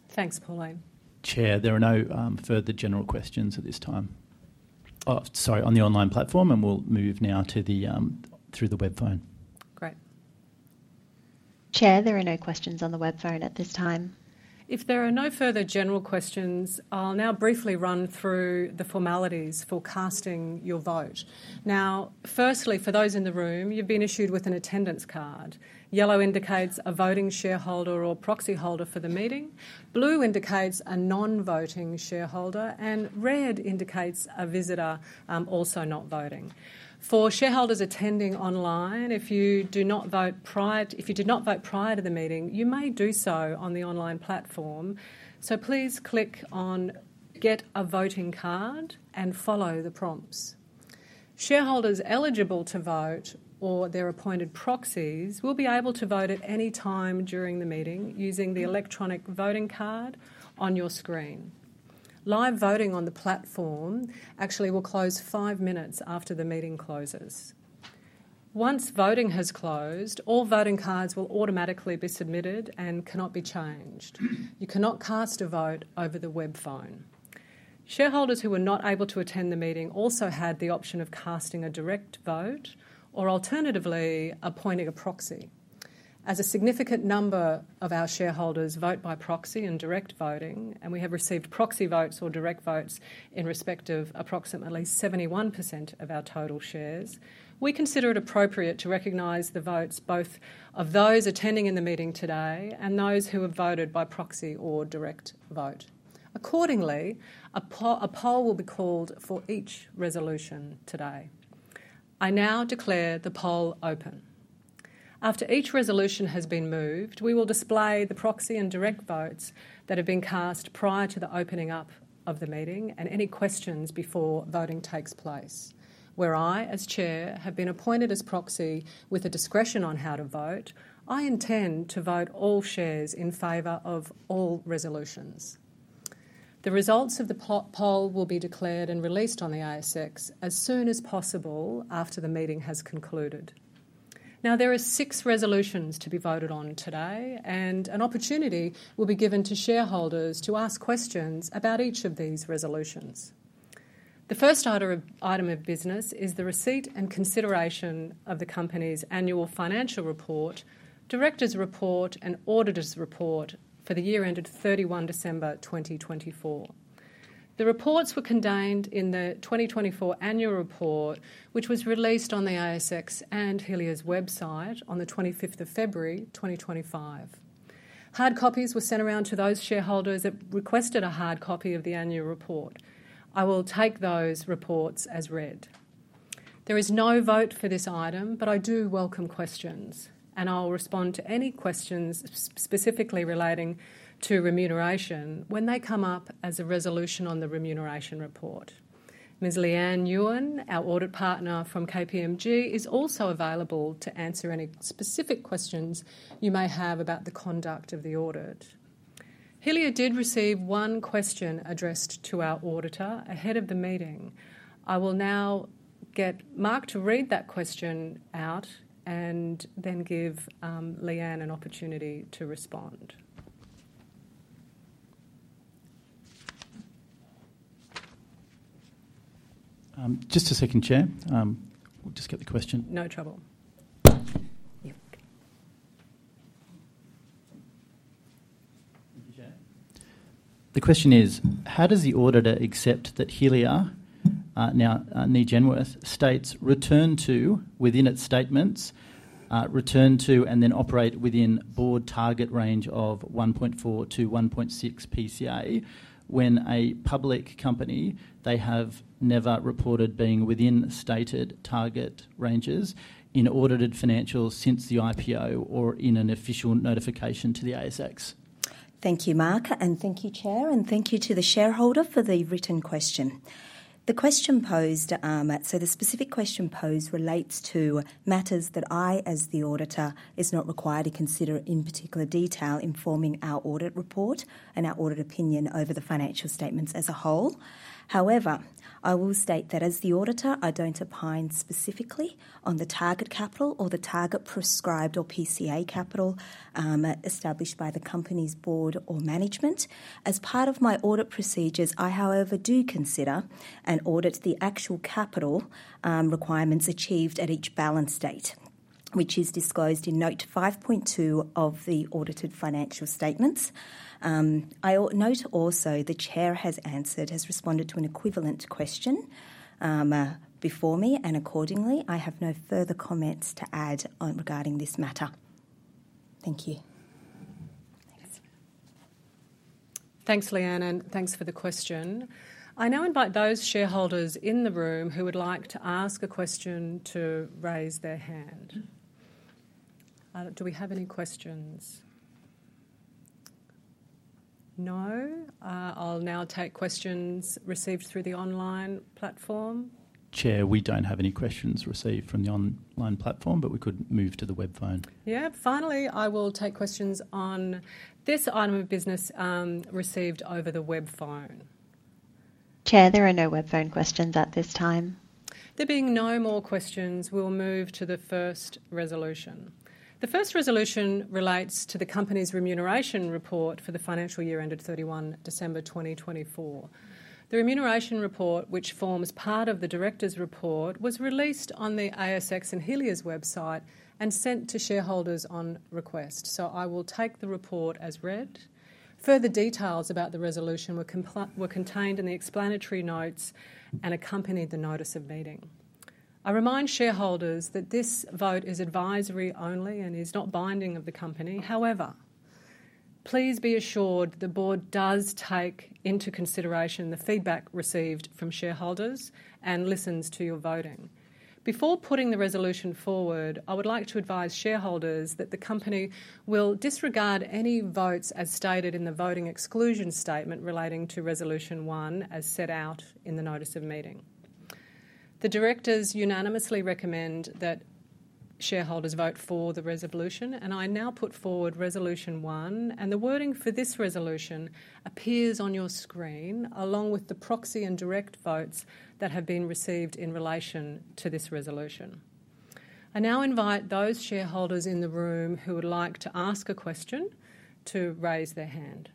Thanks, Pauline. Chair, there are no further general questions at this time. Sorry, on the online platform, and we will move now through the web phone. Great. Chair, there are no questions on the web phone at this time. If there are no further general questions, I will now briefly run through the formalities for casting your vote. Firstly, for those in the room, you have been issued with an attendance card. Yellow indicates a voting shareholder or proxy holder for the meeting. Blue indicates a non-voting shareholder, and red indicates a visitor also not voting. For shareholders attending online, if you did not vote prior to the meeting, you may do so on the online platform. Please click on "Get a Voting Card" and follow the prompts. Shareholders eligible to vote or their appointed proxies will be able to vote at any time during the meeting using the electronic voting card on your screen. Live voting on the platform actually will close five minutes after the meeting closes. Once voting has closed, all voting cards will automatically be submitted and cannot be changed. You cannot cast a vote over the web phone. Shareholders who were not able to attend the meeting also had the option of casting a direct vote or alternatively appointing a proxy. As a significant number of our shareholders vote by proxy and direct voting, and we have received proxy votes or direct votes in respect of approximately 71% of our total shares, we consider it appropriate to recognize the votes both of those attending in the meeting today and those who have voted by proxy or direct vote. Accordingly, a poll will be called for each resolution today. I now declare the poll open. After each resolution has been moved, we will display the proxy and direct votes that have been cast prior to the opening up of the meeting and any questions before voting takes place. Where I, as Chair, have been appointed as proxy with a discretion on how to vote, I intend to vote all shares in favor of all resolutions. The results of the poll will be declared and released on the ASX as soon as possible after the meeting has concluded. Now, there are six resolutions to be voted on today, and an opportunity will be given to shareholders to ask questions about each of these resolutions. The first item of business is the receipt and consideration of the company's annual financial report, director's report, and auditor's report for the year ended 31 December 2024. The reports were contained in the 2024 annual report, which was released on the ASX and Helia's website on the 25th of February, 2025. Hard copies were sent around to those shareholders that requested a hard copy of the annual report. I will take those reports as read. There is no vote for this item, but I do welcome questions, and I'll respond to any questions specifically relating to remuneration when they come up as a resolution on the remuneration report. Ms. Lianne Yuan, our audit partner from KPMG, is also available to answer any specific questions you may have about the conduct of the audit. Helia did receive one question addressed to our auditor ahead of the meeting. I will now get Mark to read that question out and then give Lianne an opportunity to respond. Just a second, Chair. We'll just get the question. No trouble. Thank you chair. The question is, how does the auditor accept that Helia, now [audio disortion], states, "Return to," within its statements, "Return to," and then operate within board target range of 1.4-1.6 PCA when a public company they have never reported being within stated target ranges in audited financials since the IPO or in an official notification to the ASX? Thank you, Mark, and thank you, Chair, and thank you to the shareholder for the written question. The question posed—the specific question posed relates to matters that I, as the auditor, am not required to consider in particular detail informing our audit report and our audit opinion over the financial statements as a whole. However, I will state that as the auditor, I don't opine specifically on the target capital or the target prescribed or PCA capital established by the company's board or management. As part of my audit procedures, I, however, do consider and audit the actual capital requirements achieved at each balance date, which is disclosed in Note 5.2 of the audited financial statements. I note also the Chair has answered, has responded to an equivalent question before me, and accordingly, I have no further comments to add regarding this matter. Thank you. Thanks, Leann, and thanks for the question. I now invite those shareholders in the room who would like to ask a question to raise their hand. Do we have any questions? No? I'll now take questions received through the online platform. Chair, we don't have any questions received from the online platform, but we could move to the web phone. Yeah. Finally, I will take questions on this item of business received over the web phone. Chair, there are no web phone questions at this time. There being no more questions, we'll move to the first resolution. The first resolution relates to the company's remuneration report for the financial year ended 31 December, 2024. The remuneration report, which forms part of the directors' report, was released on the ASX and Helia's website and sent to shareholders on request. I will take the report as read. Further details about the resolution were contained in the explanatory notes and accompanied the notice of meeting. I remind shareholders that this vote is advisory only and is not binding on the company. However, please be assured the board does take into consideration the feedback received from shareholders and listens to your voting. Before putting the resolution forward, I would like to advise shareholders that the company will disregard any votes as stated in the voting exclusion statement relating to resolution one as set out in the notice of meeting. The directors unanimously recommend that shareholders vote for the resolution, and I now put forward resolution one, and the wording for this resolution appears on your screen along with the proxy and direct votes that have been received in relation to this resolution. I now invite those shareholders in the room who would like to ask a question to raise their hand.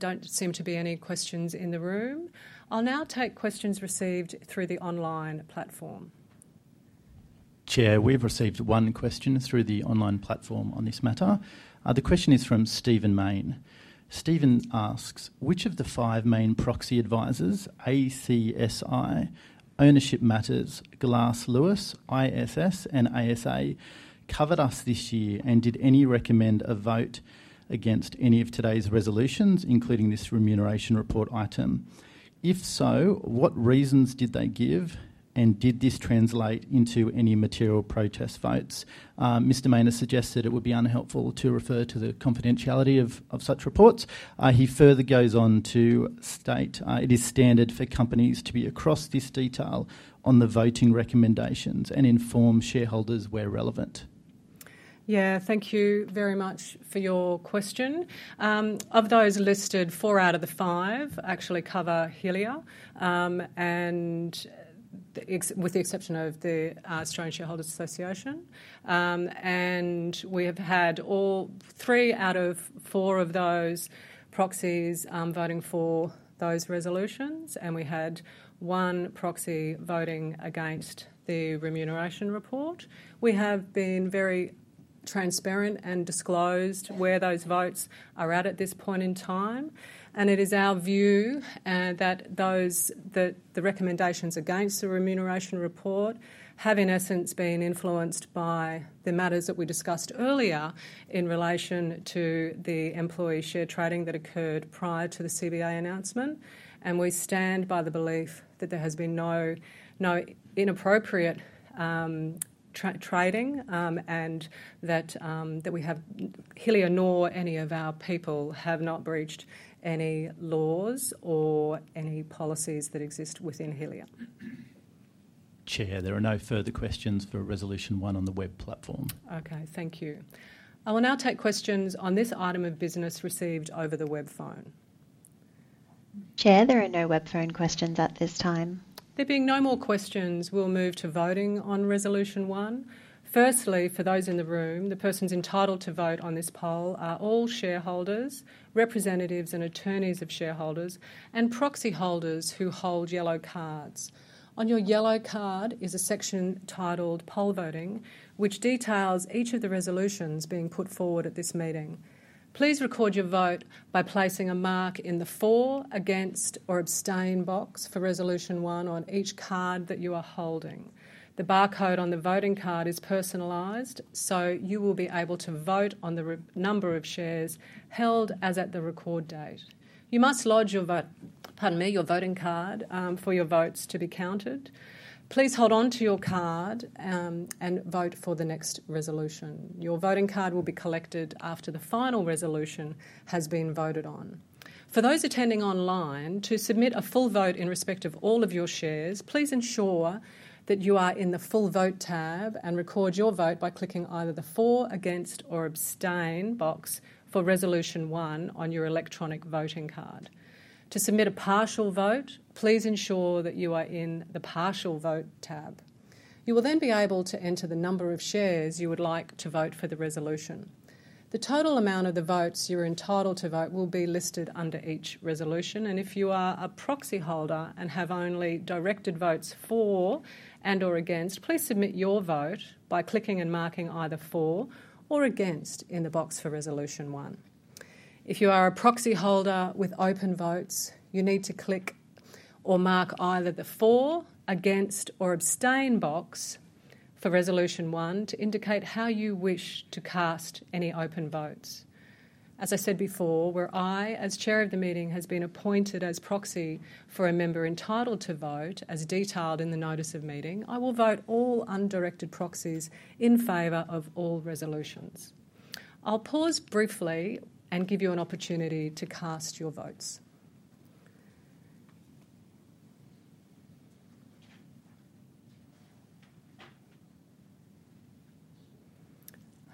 There do not seem to be any questions in the room. I'll now take questions received through the online platform. Chair, we've received one question through the online platform on this matter. The question is from Stephen Maine. Stephen asks, "Which of the five main proxy advisors, ACSI, Ownership Matters, Glass Lewis, ISS, and ASA covered us this year and did any recommend a vote against any of today's resolutions, including this remuneration report item? If so, what reasons did they give, and did this translate into any material protest votes? Mr. Maine has suggested it would be unhelpful to refer to the confidentiality of such reports. He further goes on to state, "It is standard for companies to be across this detail on the voting recommendations and inform shareholders where relevant." Yeah, thank you very much for your question. Of those listed, four out of the five actually cover Helia, with the exception of the Australian Shareholders Association. We have had all three out of four of those proxies voting for those resolutions, and we had one proxy voting against the remuneration report. We have been very transparent and disclosed where those votes are at at this point in time. It is our view that the recommendations against the remuneration report have, in essence, been influenced by the matters that we discussed earlier in relation to the employee share trading that occurred prior to the CBA announcement. We stand by the belief that there has been no inappropriate trading and that Helia nor any of our people have breached any laws or any policies that exist within Helia. Chair, there are no further questions for resolution one on the web platform. Okay, thank you. I will now take questions on this item of business received over the web phone. Chair, there are no web phone questions at this time. There being no more questions, we'll move to voting on resolution one. Firstly, for those in the room, the persons entitled to vote on this poll are all shareholders, representatives and attorneys of shareholders, and proxy holders who hold yellow cards. On your yellow card is a section titled "Poll Voting," which details each of the resolutions being put forward at this meeting. Please record your vote by placing a mark in the "For," "Against," or "Abstain" box for resolution one on each card that you are holding. The barcode on the voting card is personalized, so you will be able to vote on the number of shares held as at the record date. You must lodge your voting card for your votes to be counted. Please hold on to your card and vote for the next resolution. Your voting card will be collected after the final resolution has been voted on. For those attending online, to submit a full vote in respect of all of your shares, please ensure that you are in the "Full Vote" tab and record your vote by clicking either the "For," "Against," or "Abstain" box for resolution one on your electronic voting card. To submit a partial vote, please ensure that you are in the "Partial Vote" tab. You will then be able to enter the number of shares you would like to vote for the resolution. The total amount of the votes you are entitled to vote will be listed under each resolution. If you are a proxy holder and have only directed votes for and/or against, please submit your vote by clicking and marking either "For" or "Against" in the box for resolution one. If you are a proxy holder with open votes, you need to click or mark either the "For," "Against," or "Abstain" box for resolution one to indicate how you wish to cast any open votes. As I said before, where I, as Chair of the meeting, have been appointed as proxy for a member entitled to vote, as detailed in the notice of meeting, I will vote all undirected proxies in favor of all resolutions. I'll pause briefly and give you an opportunity to cast your votes.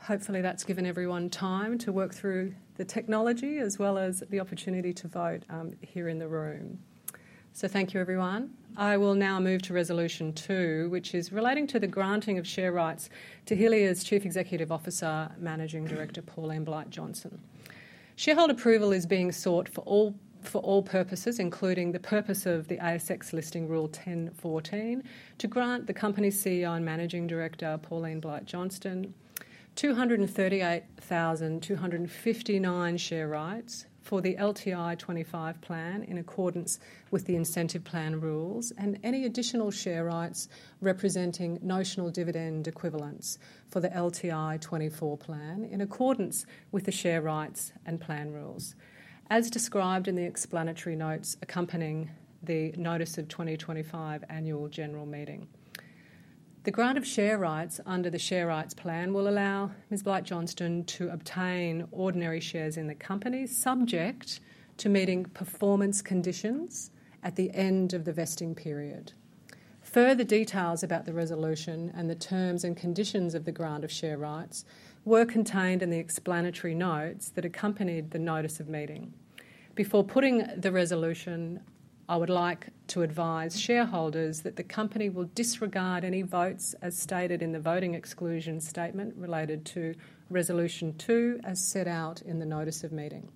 Hopefully, that's given everyone time to work through the technology as well as the opportunity to vote here in the room. Thank you, everyone. I will now move to resolution two, which is relating to the granting of share rights to Helia's Chief Executive Officer, Managing Director, Pauline Blight-Johnston. Shareholder approval is being sought for all purposes, including the purpose of the ASX Listing Rule 10.14, to grant the company's CEO and Managing Director, Pauline Blight-Johnston, 238,259 share rights for the LTI25 plan in accordance with the incentive plan rules and any additional share rights representing notional dividend equivalents for the LTI24 plan in accordance with the share rights and plan rules, as described in the explanatory notes accompanying the notice of 2025 annual general meeting. The grant of share rights under the share rights plan will allow Ms. Blight-Johnston to obtain ordinary shares in the company subject to meeting performance conditions at the end of the vesting period. Further details about the resolution and the terms and conditions of the grant of share rights were contained in the explanatory notes that accompanied the notice of meeting. Before putting the resolution, I would like to advise shareholders that the company will disregard any votes as stated in the voting exclusion statement related to resolution two as set out in the notice of meeting.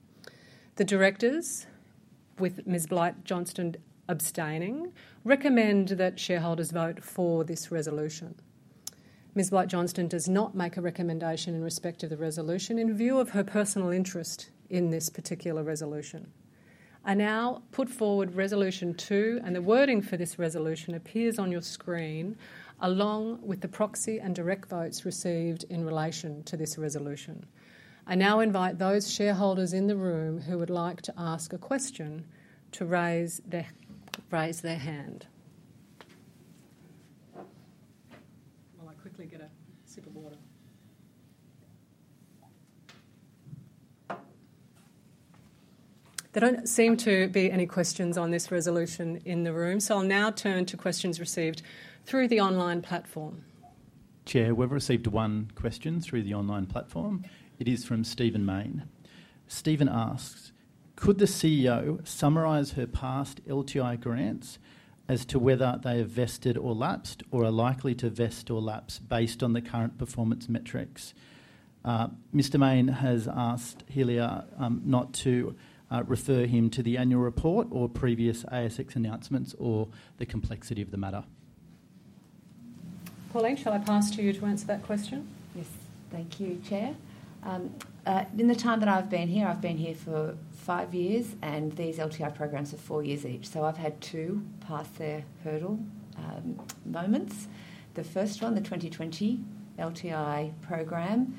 The directors, with Ms. Blight-Johnston abstaining, recommend that shareholders vote for this resolution. Ms. Blight-Johnston does not make a recommendation in respect of the resolution in view of her personal interest in this particular resolution. I now put forward resolution two, and the wording for this resolution appears on your screen along with the proxy and direct votes received in relation to this resolution. I now invite those shareholders in the room who would like to ask a question to raise their hand. While I quickly get a sip of water. There do not seem to be any questions on this resolution in the room, so I will now turn to questions received through the online platform. Chair, we have received one question through the online platform. It is from Stephen Maine. Stephen asks, "Could the CEO summarize her past LTI grants as to whether they have vested or lapsed or are likely to vest or lapse based on the current performance metrics?" Mr. Maine has asked Helia not to refer him to the annual report or previous ASX announcements or the complexity of the matter. Pauline, shall I pass to you to answer that question? Yes. Thank you, Chair. In the time that I have been here, I have been here for five years, and these LTI programs are four years each, so I have had two past their hurdle moments. The first one, the 2020 LTI program,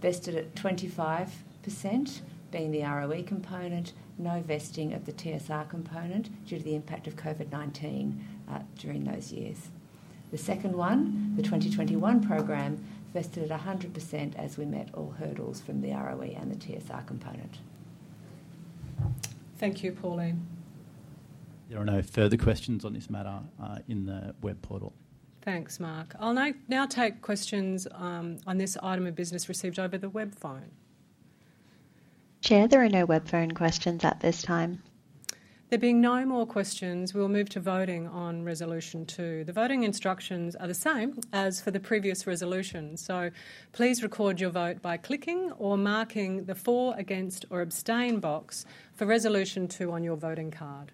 vested at 25%, being the ROE component, no vesting of the TSR component due to the impact of COVID-19 during those years. The second one, the 2021 program, vested at 100% as we met all hurdles from the ROE and the TSR component. Thank you, Pauline. There are no further questions on this matter in the web portal. Thanks, Mark. I'll now take questions on this item of business received over the web phone. Chair, there are no web phone questions at this time. There being no more questions, we'll move to voting on resolution two. The voting instructions are the same as for the previous resolution, so please record your vote by clicking or marking the "For," "Against," or "Abstain" box for resolution two on your voting card.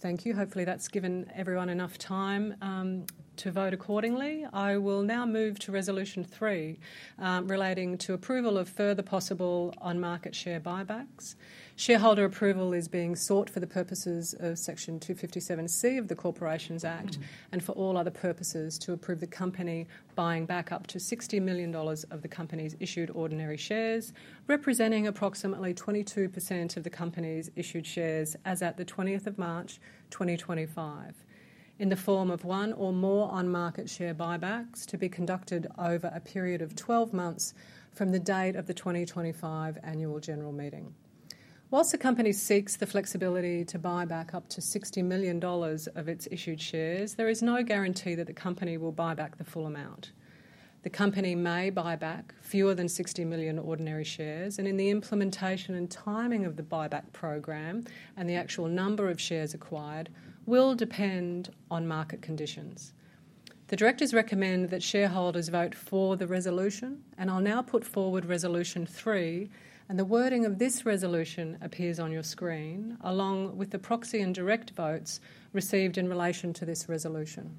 Thank you. Hopefully, that's given everyone enough time to vote accordingly. I will now move to resolution three relating to approval of further possible unmarket share buybacks. Shareholder approval is being sought for the purposes of Section 257C of the Corporations Act and for all other purposes to approve the company buying back up to 60 million dollars of the company's issued ordinary shares, representing approximately 22% of the company's issued shares as at the 20th of March 2025, in the form of one or more unmarket share buybacks to be conducted over a period of 12 months from the date of the 2025 annual general meeting. Whilst the company seeks the flexibility to buy back up to 60 million dollars of its issued shares, there is no guarantee that the company will buy back the full amount. The company may buy back fewer than 60 million ordinary shares, and in the implementation and timing of the buyback program and the actual number of shares acquired will depend on market conditions. The directors recommend that shareholders vote for the resolution, and I'll now put forward resolution three, and the wording of this resolution appears on your screen along with the proxy and direct votes received in relation to this resolution.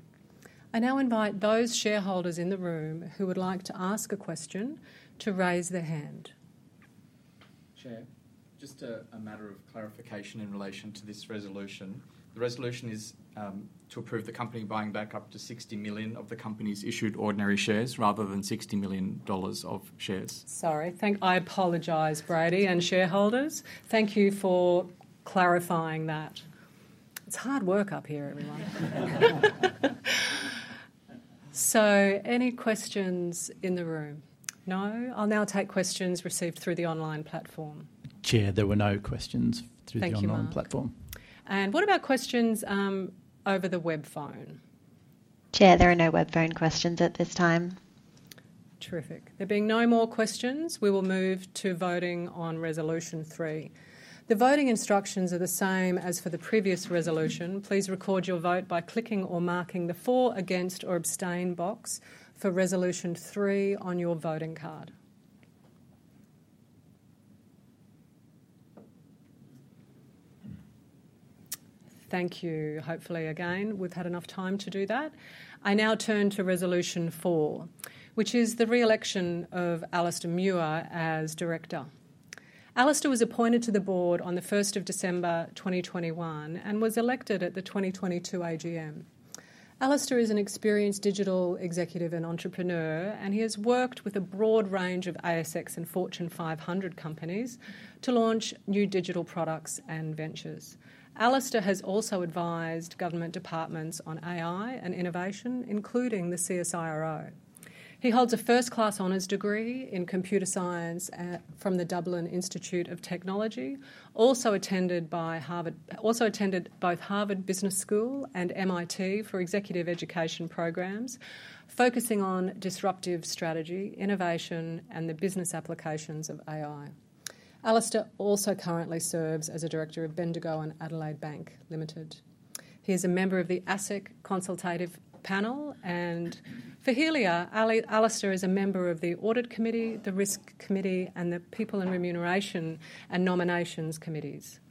I now invite those shareholders in the room who would like to ask a question to raise their hand. Chair, just a matter of clarification in relation to this resolution. The resolution is to approve the company buying back up to 60 million of the company's issued ordinary shares rather than 60 million dollars of shares. Sorry. I apologize, Brady, and shareholders. Thank you for clarifying that. It's hard work up here, everyone. Any questions in the room? No? I'll now take questions received through the online platform. Chair, there were no questions through the online platform. Thank you. What about questions over the web phone? Chair, there are no web phone questions at this time. Terrific. There being no more questions, we will move to voting on resolution three. The voting instructions are the same as for the previous resolution. Please record your vote by clicking or marking the "For," "Against," or "Abstain" box for resolution three on your voting card. Thank you. Hopefully, again, we've had enough time to do that. I now turn to resolution four, which is the re-election of Alastair Muir as director. Alastair was appointed to the board on the 1st of December 2021 and was elected at the 2022 AGM. Alastair is an experienced digital executive and entrepreneur, and he has worked with a broad range of ASX and Fortune 500 companies to launch new digital products and ventures. Alastair has also advised government departments on AI and innovation, including the CSIRO. He holds a first-class honors degree in computer science from the Dublin Institute of Technology, also attended both Harvard Business School and MIT for executive education programs, focusing on disruptive strategy, innovation, and the business applications of AI. Alastair also currently serves as a director of Bendigo and Adelaide Bank Limited. He is a member of the ASIC Consultative Panel, and for Helia, Alastair is a member of the Audit Committee, the Risk Committee, and the People and Remuneration and Nominations Committees.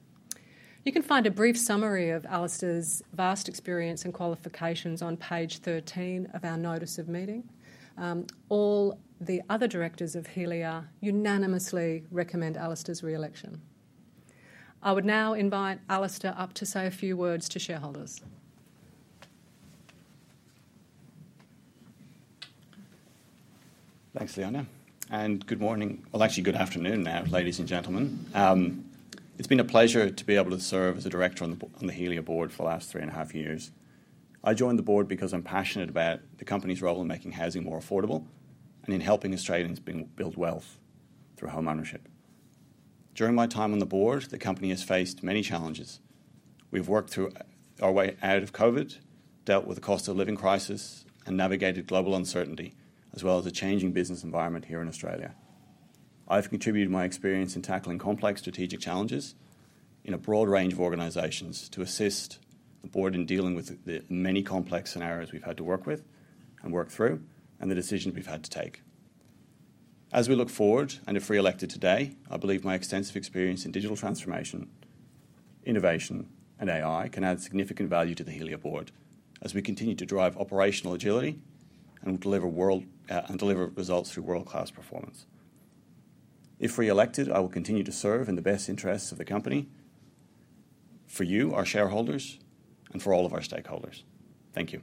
You can find a brief summary of Alastair's vast experience and qualifications on page 13 of our notice of meeting. All the other directors of Helia unanimously recommend Alastair's re-election. I would now invite Alastair up to say a few words to shareholders. Thanks, Liana. Good morning, actually, good afternoon now, ladies and gentlemen. It's been a pleasure to be able to serve as a director on the Helia board for the last three and a half years. I joined the board because I'm passionate about the company's role in making housing more affordable and in helping Australians build wealth through home ownership. During my time on the board, the company has faced many challenges. We've worked our way out of COVID, dealt with the cost of living crisis, and navigated global uncertainty, as well as a changing business environment here in Australia. I've contributed my experience in tackling complex strategic challenges in a broad range of organizations to assist the board in dealing with the many complex scenarios we've had to work with and work through and the decisions we've had to take. As we look forward and are re-elected today, I believe my extensive experience in digital transformation, innovation, and AI can add significant value to the Helia board as we continue to drive operational agility and deliver results through world-class performance. If re-elected, I will continue to serve in the best interests of the company, for you, our shareholders, and for all of our stakeholders. Thank you.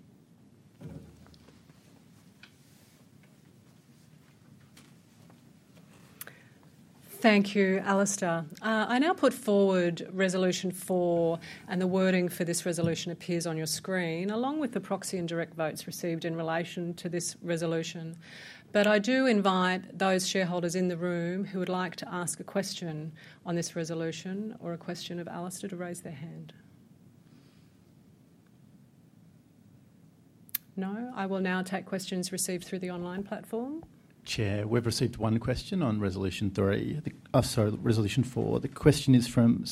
Thank you, Alastair. I now put forward resolution four, and the wording for this resolution appears on your screen along with the proxy and direct votes received in relation to this resolution. I do invite those shareholders in the room who would like to ask a question on this resolution or a question of Alastair to raise their hand. No? I will now take questions received through the online platform. Chair, we have received one question on resolution three, sorry, resolution four. The question is from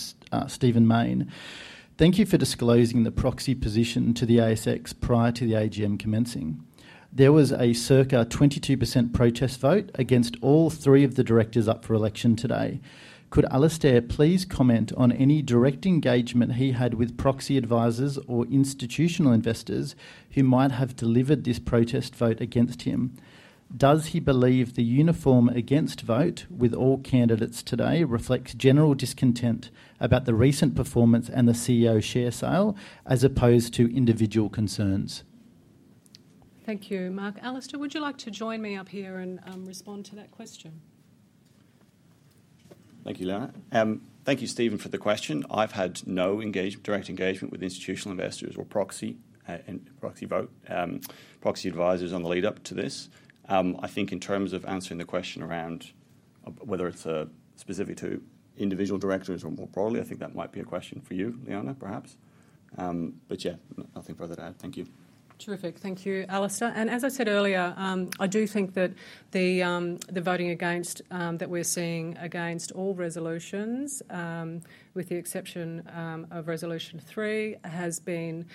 Stephen Maine. Thank you for disclosing the proxy position to the ASX prior to the AGM commencing. There was a circa 22% protest vote against all three of the directors up for election today. Could Alastair please comment on any direct engagement he had with proxy advisors or institutional investors who might have delivered this protest vote against him? Does he believe the uniform against vote with all candidates today reflects general discontent about the recent performance and the CEO share sale, as opposed to individual concerns? Thank you, Mark. Alastair, would you like to join me up here and respond to that question? Thank you, Leana. Thank you, Stephen, for the question. I've had no direct engagement with institutional investors or proxy advisors on the lead-up to this. I think in terms of answering the question around whether it's specific to individual directors or more broadly, I think that might be a question for you, Leana, perhaps. Yeah, nothing further to add. Thank you. Terrific. Thank you, Alastair. As I said earlier, I do think that the voting against that we're seeing against all resolutions, with the exception of resolution three, has been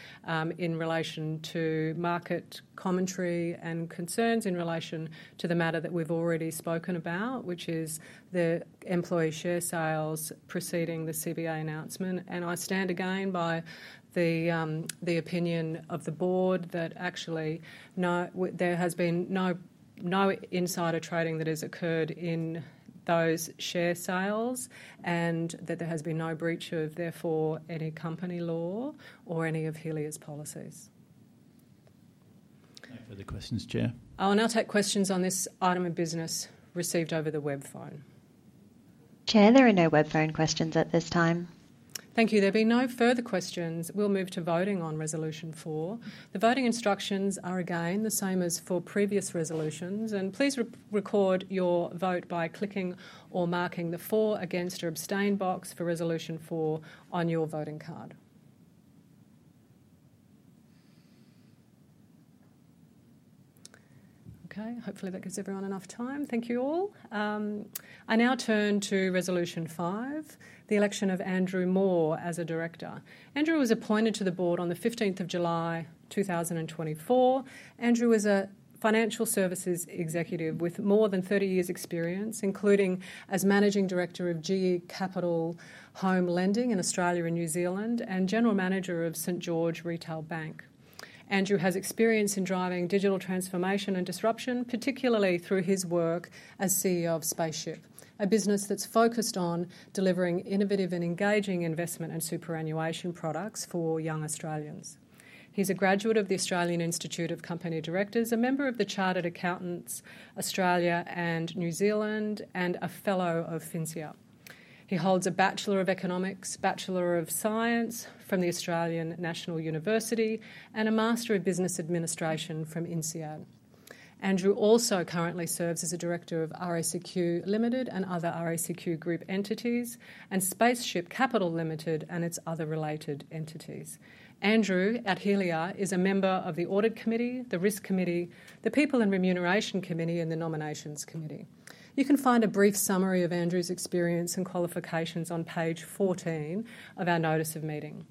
in relation to market commentary and concerns in relation to the matter that we've already spoken about, which is the employee share sales preceding the CBA announcement. I stand again by the opinion of the board that actually there has been no insider trading that has occurred in those share sales and that there has been no breach of, therefore, any company law or any of Helia's policies. No further questions, Chair. I'll now take questions on this item of business received over the web phone. Chair, there are no web phone questions at this time. Thank you. There being no further questions, we'll move to voting on resolution four. The voting instructions are again the same as for previous resolutions. Please record your vote by clicking or marking the "For," "Against," or "Abstain" box for resolution four on your voting card. Okay. Hopefully, that gives everyone enough time. Thank you all. I now turn to resolution five, the election of Andrew Moore as a director. Andrew was appointed to the board on the 15th of July 2024. Andrew is a financial services executive with more than 30 years' experience, including as Managing Director of GE Capital Home Lending in Australia and New Zealand and General Manager of St George Retail Bank. Andrew has experience in driving digital transformation and disruption, particularly through his work as CEO of Spaceship, a business that's focused on delivering innovative and engaging investment and superannuation products for young Australians. He's a graduate of the Australian Institute of Company Directors, a member of the Chartered Accountants Australia and New Zealand, and a fellow of FinCEAD. He holds a Bachelor of Economics, Bachelor of Science from the Australian National University, and a Master of Business Administration from INSEAD. Andrew also currently serves as a director of RACQ Limited and other RACQ Group entities and Spaceship Capital Limited and its other related entities. Andrew at Helia is a member of the Audit Committee, the Risk Committee, the People and Remuneration Committee, and the Nominations Committee. You can find a brief summary of Andrew's experience and qualifications on page 14 of our notice of meeting.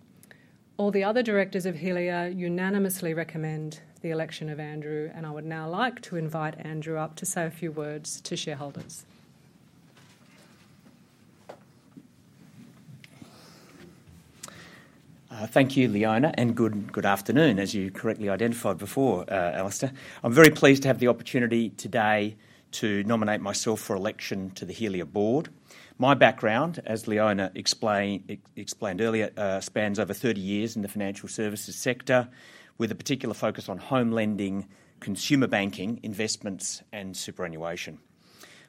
All the other directors of Helia unanimously recommend the election of Andrew, and I would now like to invite Andrew up to say a few words to shareholders. Thank you, Liana, and good afternoon, as you correctly identified before, Alastair. I'm very pleased to have the opportunity today to nominate myself for election to the Helia board. My background, as Leana explained earlier, spans over 30 years in the financial services sector, with a particular focus on home lending, consumer banking, investments, and superannuation.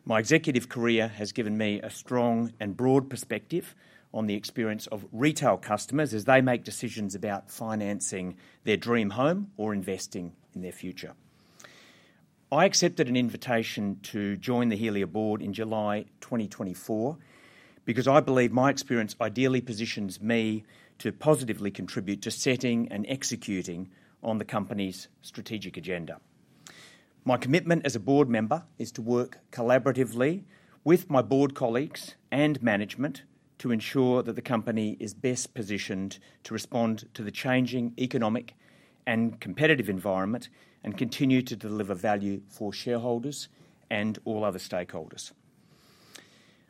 My executive career has given me a strong and broad perspective on the experience of retail customers as they make decisions about financing their dream home or investing in their future. I accepted an invitation to join the Helia board in July 2024 because I believe my experience ideally positions me to positively contribute to setting and executing on the company's strategic agenda. My commitment as a board member is to work collaboratively with my board colleagues and management to ensure that the company is best positioned to respond to the changing economic and competitive environment and continue to deliver value for shareholders and all other stakeholders.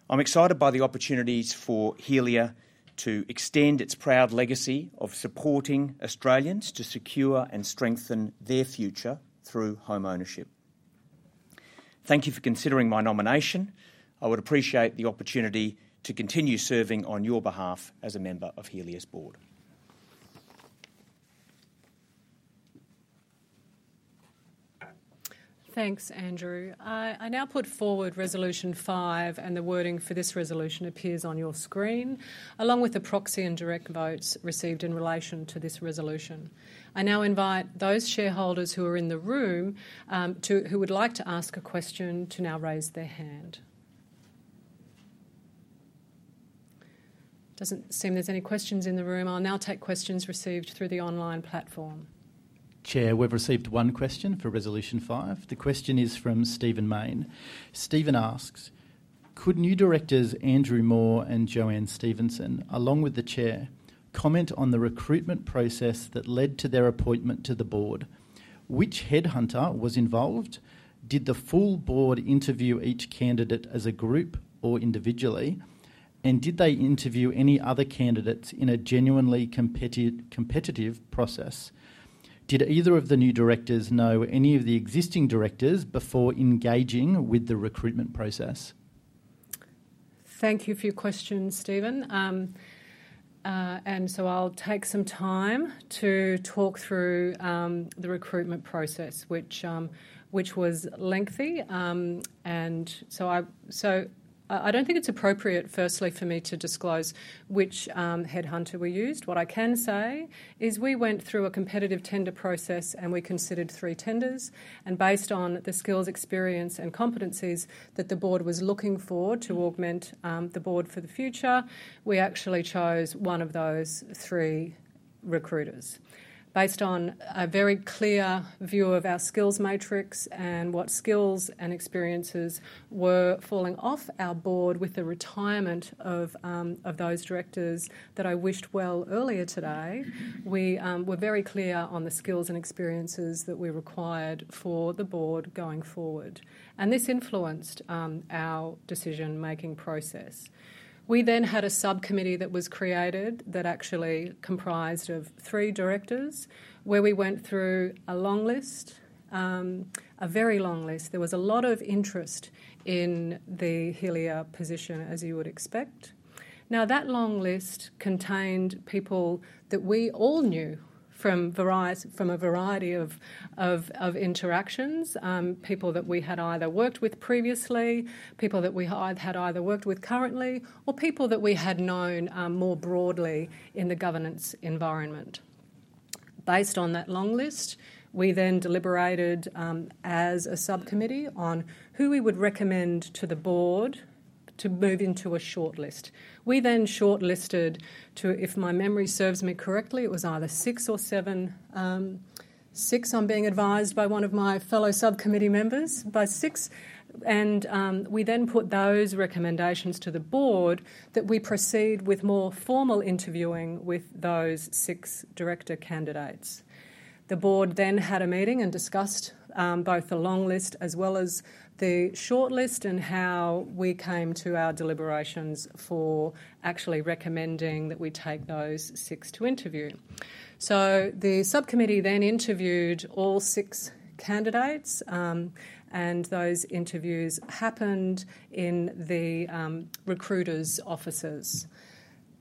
I'm excited by the opportunities for Helia to extend its proud legacy of supporting Australians to secure and strengthen their future through home ownership. Thank you for considering my nomination. I would appreciate the opportunity to continue serving on your behalf as a member of Helia's board. Thanks, Andrew. I now put forward resolution five, and the wording for this resolution appears on your screen along with the proxy and direct votes received in relation to this resolution. I now invite those shareholders who are in the room who would like to ask a question to now raise their hand. Doesn't seem there's any questions in the room. I'll now take questions received through the online platform. Chair, we've received one question for resolution five. The question is from Stephen Maine. Stephen asks, "Could new directors Andrew Moore and JoAnne Stevenson, along with the chair, comment on the recruitment process that led to their appointment to the board? Which headhunter was involved? Did the full board interview each candidate as a group or individually? Did they interview any other candidates in a genuinely competitive process? Did either of the new directors know any of the existing directors before engaging with the recruitment process? Thank you for your question, Stephen. I will take some time to talk through the recruitment process, which was lengthy. I do not think it is appropriate, firstly, for me to disclose which headhunter we used. What I can say is we went through a competitive tender process, and we considered three tenders. Based on the skills, experience, and competencies that the board was looking for to augment the board for the future, we actually chose one of those three recruiters. Based on a very clear view of our skills matrix and what skills and experiences were falling off our board with the retirement of those directors that I wished well earlier today, we were very clear on the skills and experiences that we required for the board going forward. This influenced our decision-making process. We then had a subcommittee that was created that actually comprised of three directors, where we went through a long list, a very long list. There was a lot of interest in the Helia position, as you would expect. That long list contained people that we all knew from a variety of interactions, people that we had either worked with previously, people that we had either worked with currently, or people that we had known more broadly in the governance environment. Based on that long list, we then deliberated as a subcommittee on who we would recommend to the board to move into a shortlist. We then shortlisted to, if my memory serves me correctly, it was either six or seven, six I'm being advised by one of my fellow subcommittee members, by six. We then put those recommendations to the board that we proceed with more formal interviewing with those six director candidates. The board then had a meeting and discussed both the long list as well as the shortlist and how we came to our deliberations for actually recommending that we take those six to interview. The subcommittee then interviewed all six candidates, and those interviews happened in the recruiters' offices.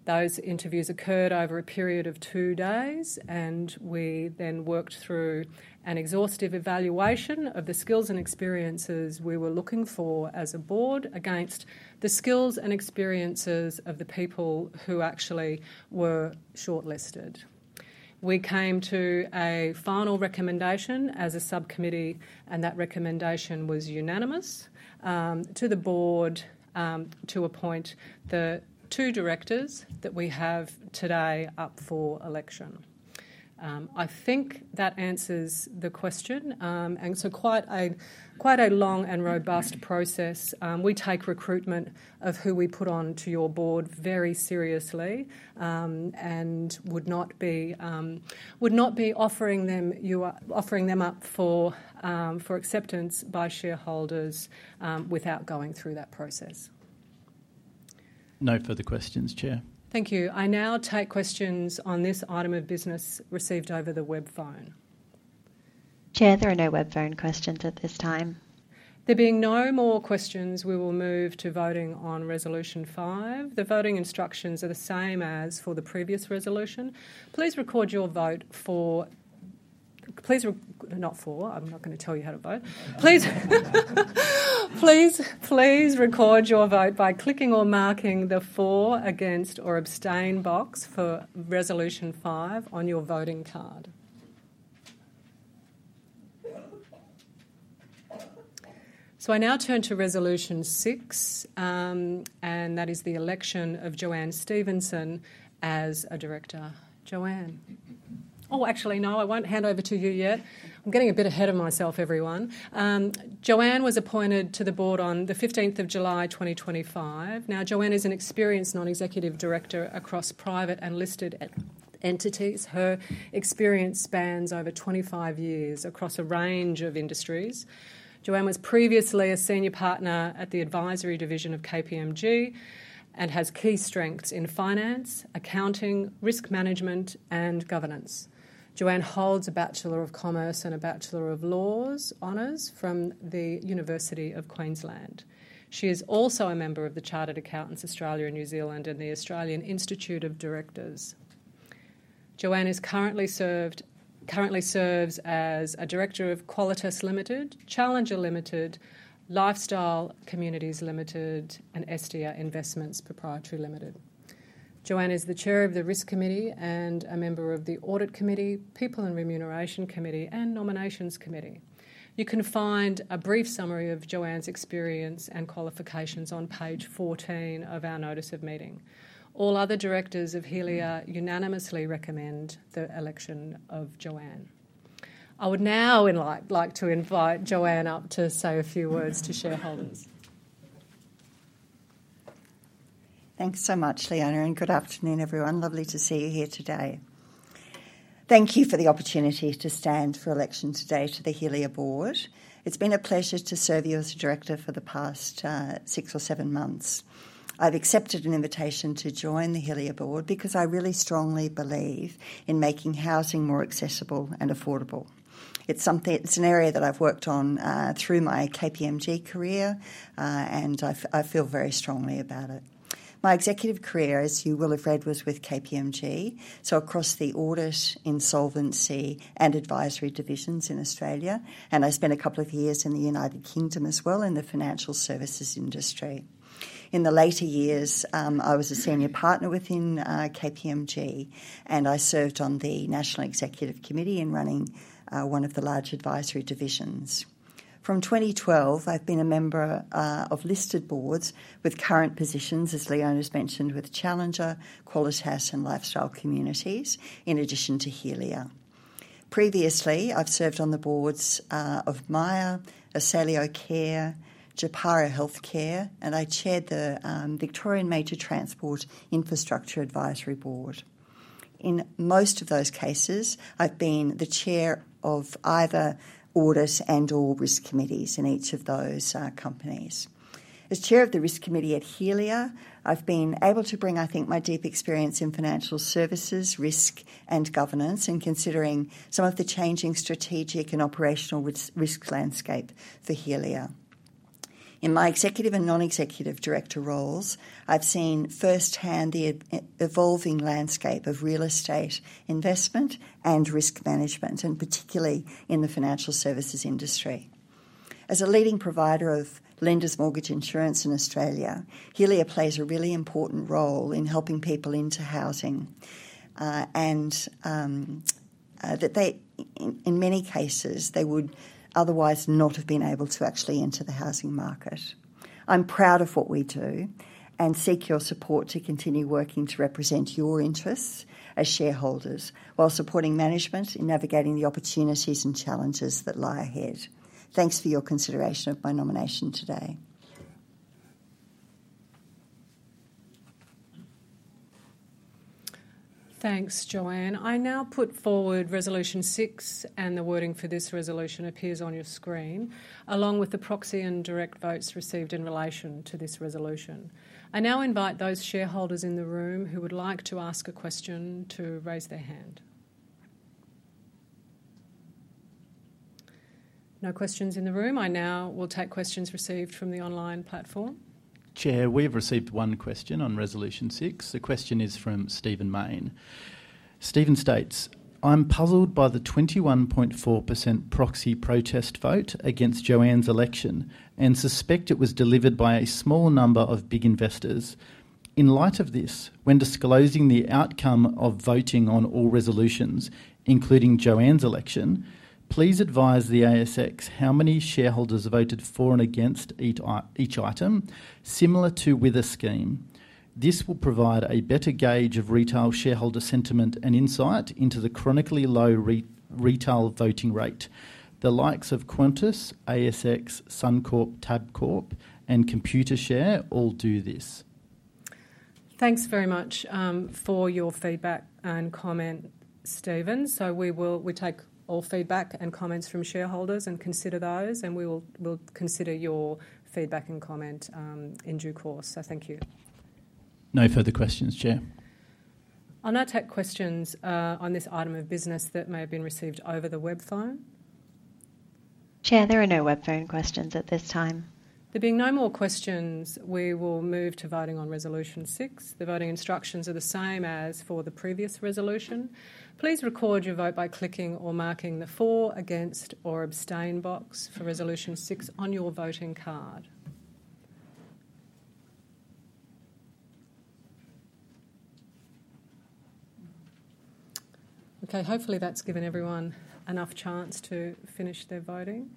Those interviews occurred over a period of two days, and we then worked through an exhaustive evaluation of the skills and experiences we were looking for as a board against the skills and experiences of the people who actually were shortlisted. We came to a final recommendation as a subcommittee, and that recommendation was unanimous to the board to appoint the two directors that we have today up for election. I think that answers the question. Quite a long and robust process. We take recruitment of who we put onto your board very seriously and would not be offering them up for acceptance by shareholders without going through that process. No further questions, Chair. Thank you. I now take questions on this item of business received over the web phone. Chair, there are no web phone questions at this time. There being no more questions, we will move to voting on resolution five. The voting instructions are the same as for the previous resolution. Please record your vote for, not for. I'm not going to tell you how to vote. Please record your vote by clicking or marking the "For," "Against," or "Abstain" box for resolution five on your voting card. I now turn to resolution six, and that is the election of JoAnne Stevenson as a director. Joanne. Oh, actually, no, I won't hand over to you yet. I'm getting a bit ahead of myself, everyone. Joanne was appointed to the board on the 15th of July, 2025. Now, Joanne is an experienced non-executive director across private and listed entities. Her experience spans over 25 years across a range of industries. Joanne was previously a senior partner at the advisory division of KPMG and has key strengths in finance, accounting, risk management, and governance. Joanne holds a Bachelor of Commerce and a Bachelor of Laws honors from the University of Queensland. She is also a member of the Chartered Accountants Australia and New Zealand and the Australian Institute of Directors. JoAnne currently serves as a director of Qualitas Limited, Challenger Limited, Lifestyle Communities Limited, and SDA Investments Proprietary Limited. JoAnne is the chair of the risk committee and a member of the audit committee, people and remuneration committee, and nominations committee. You can find a brief summary of JoAnne's experience and qualifications on page 14 of our notice of meeting. All other directors of Helia unanimously recommend the election of JoAnne. I would now like to invite JoAnne up to say a few words to shareholders. Thanks so much, Leona, and good afternoon, everyone. Lovely to see you here today. Thank you for the opportunity to stand for election today to the Helia board. It's been a pleasure to serve you as a director for the past six or seven months. I've accepted an invitation to join the Helia board because I really strongly believe in making housing more accessible and affordable. It's an area that I've worked on through my KPMG career, and I feel very strongly about it. My executive career, as you will have read, was with KPMG, so across the audit, insolvency, and advisory divisions in Australia. I spent a couple of years in the United Kingdom as well in the financial services industry. In the later years, I was a senior partner within KPMG, and I served on the National Executive Committee in running one of the large advisory divisions. From 2012, I've been a member of listed boards with current positions, as Liana's mentioned, with Challenger, Qualitas, and Lifestyle Communities, in addition to Helia. Previously, I've served on the boards of MYOB, Asaleo Care, Japara Healthcare, and I chaired the Victorian Major Transport Infrastructure Advisory Board. In most of those cases, I've been the chair of either audit and/or risk committees in each of those companies. As Chair of the Risk Committee at Helia, I've been able to bring, I think, my deep experience in financial services, risk, and governance, and considering some of the changing strategic and operational risk landscape for Helia. In my executive and non-executive director roles, I've seen firsthand the evolving landscape of real estate investment and risk management, and particularly in the financial services industry. As a leading provider of lenders mortgage insurance in Australia, Helia plays a really important role in helping people into housing and that, in many cases, they would otherwise not have been able to actually enter the housing market. I'm proud of what we do and seek your support to continue working to represent your interests as shareholders while supporting management in navigating the opportunities and challenges that lie ahead. Thanks for your consideration of my nomination today. Thanks, Joanne. I now put forward resolution six, and the wording for this resolution appears on your screen, along with the proxy and direct votes received in relation to this resolution. I now invite those shareholders in the room who would like to ask a question to raise their hand. No questions in the room. I now will take questions received from the online platform. Chair, we have received one question on resolution six. The question is from Stephen Maine. Stephen states, "I'm puzzled by the 21.4% proxy protest vote against JoAnne's election and suspect it was delivered by a small number of big investors. In light of this, when disclosing the outcome of voting on all resolutions, including JoAnne's election, please advise the ASX how many shareholders voted for and against each item, similar to with a scheme. This will provide a better gauge of retail shareholder sentiment and insight into the chronically low retail voting rate. The likes of Quintus, ASX, SunCorp, TabCorp, and ComputerShare all do this." Thanks very much for your feedback and comment, Stephen. We take all feedback and comments from shareholders and consider those, and we will consider your feedback and comment in due course. Thank you. No further questions, Chair. I'll now take questions on this item of business that may have been received over the web phone. Chair, there are no web phone questions at this time. There being no more questions, we will move to voting on resolution six. The voting instructions are the same as for the previous resolution. Please record your vote by clicking or marking the "For," "Against," or "Abstain" box for resolution six on your voting card. Okay, hopefully that's given everyone enough chance to finish their voting.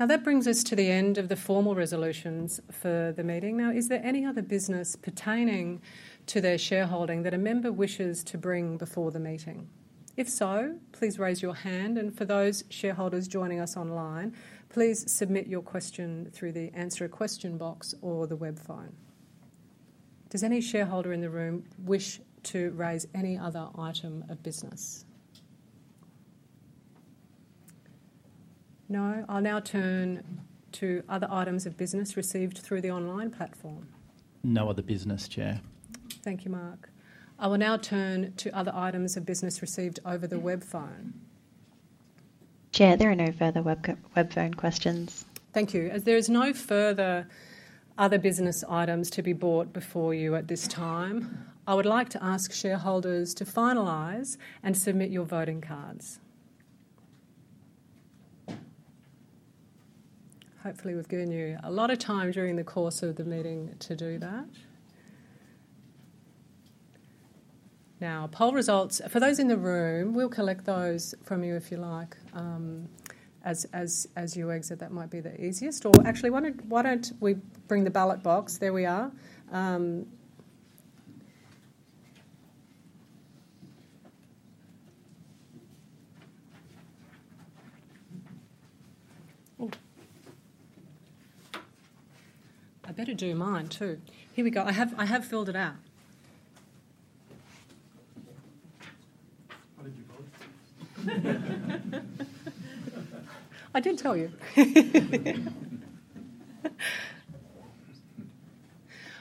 Now, that brings us to the end of the formal resolutions for the meeting. Now, is there any other business pertaining to their shareholding that a member wishes to bring before the meeting? If so, please raise your hand. For those shareholders joining us online, please submit your question through the answer-to-question box or the web phone. Does any shareholder in the room wish to raise any other item of business? No? I'll now turn to other items of business received through the online platform. No other business, Chair. Thank you, Mark. I will now turn to other items of business received over the web phone. Chair, there are no further web phone questions. Thank you. As there are no further other business items to be brought before you at this time, I would like to ask shareholders to finalise and submit your voting cards. Hopefully, we've given you a lot of time during the course of the meeting to do that. Now, poll results for those in the room, we'll collect those from you if you like. As you exit, that might be the easiest. Or actually, why don't we bring the ballot box? There we are. I better do mine too. Here we go. I have filled it out. I didn't tell you.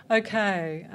Okay.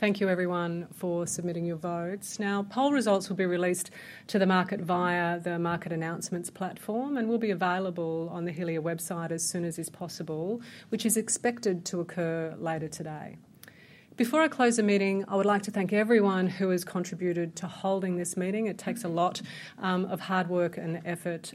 Thank you, everyone, for submitting your votes. Now, poll results will be released to the market via the market announcements platform and will be available on the Helia website as soon as is possible, which is expected to occur later today. Before I close the meeting, I would like to thank everyone who has contributed to holding this meeting. It takes a lot of hard work and effort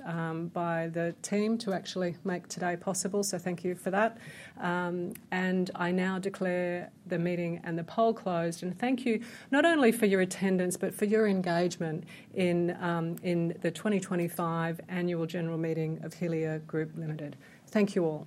by the team to actually make today possible, so thank you for that. I now declare the meeting and the poll closed. Thank you not only for your attendance, but for your engagement in the 2025 annual general meeting of Helia Group Limited. Thank you all.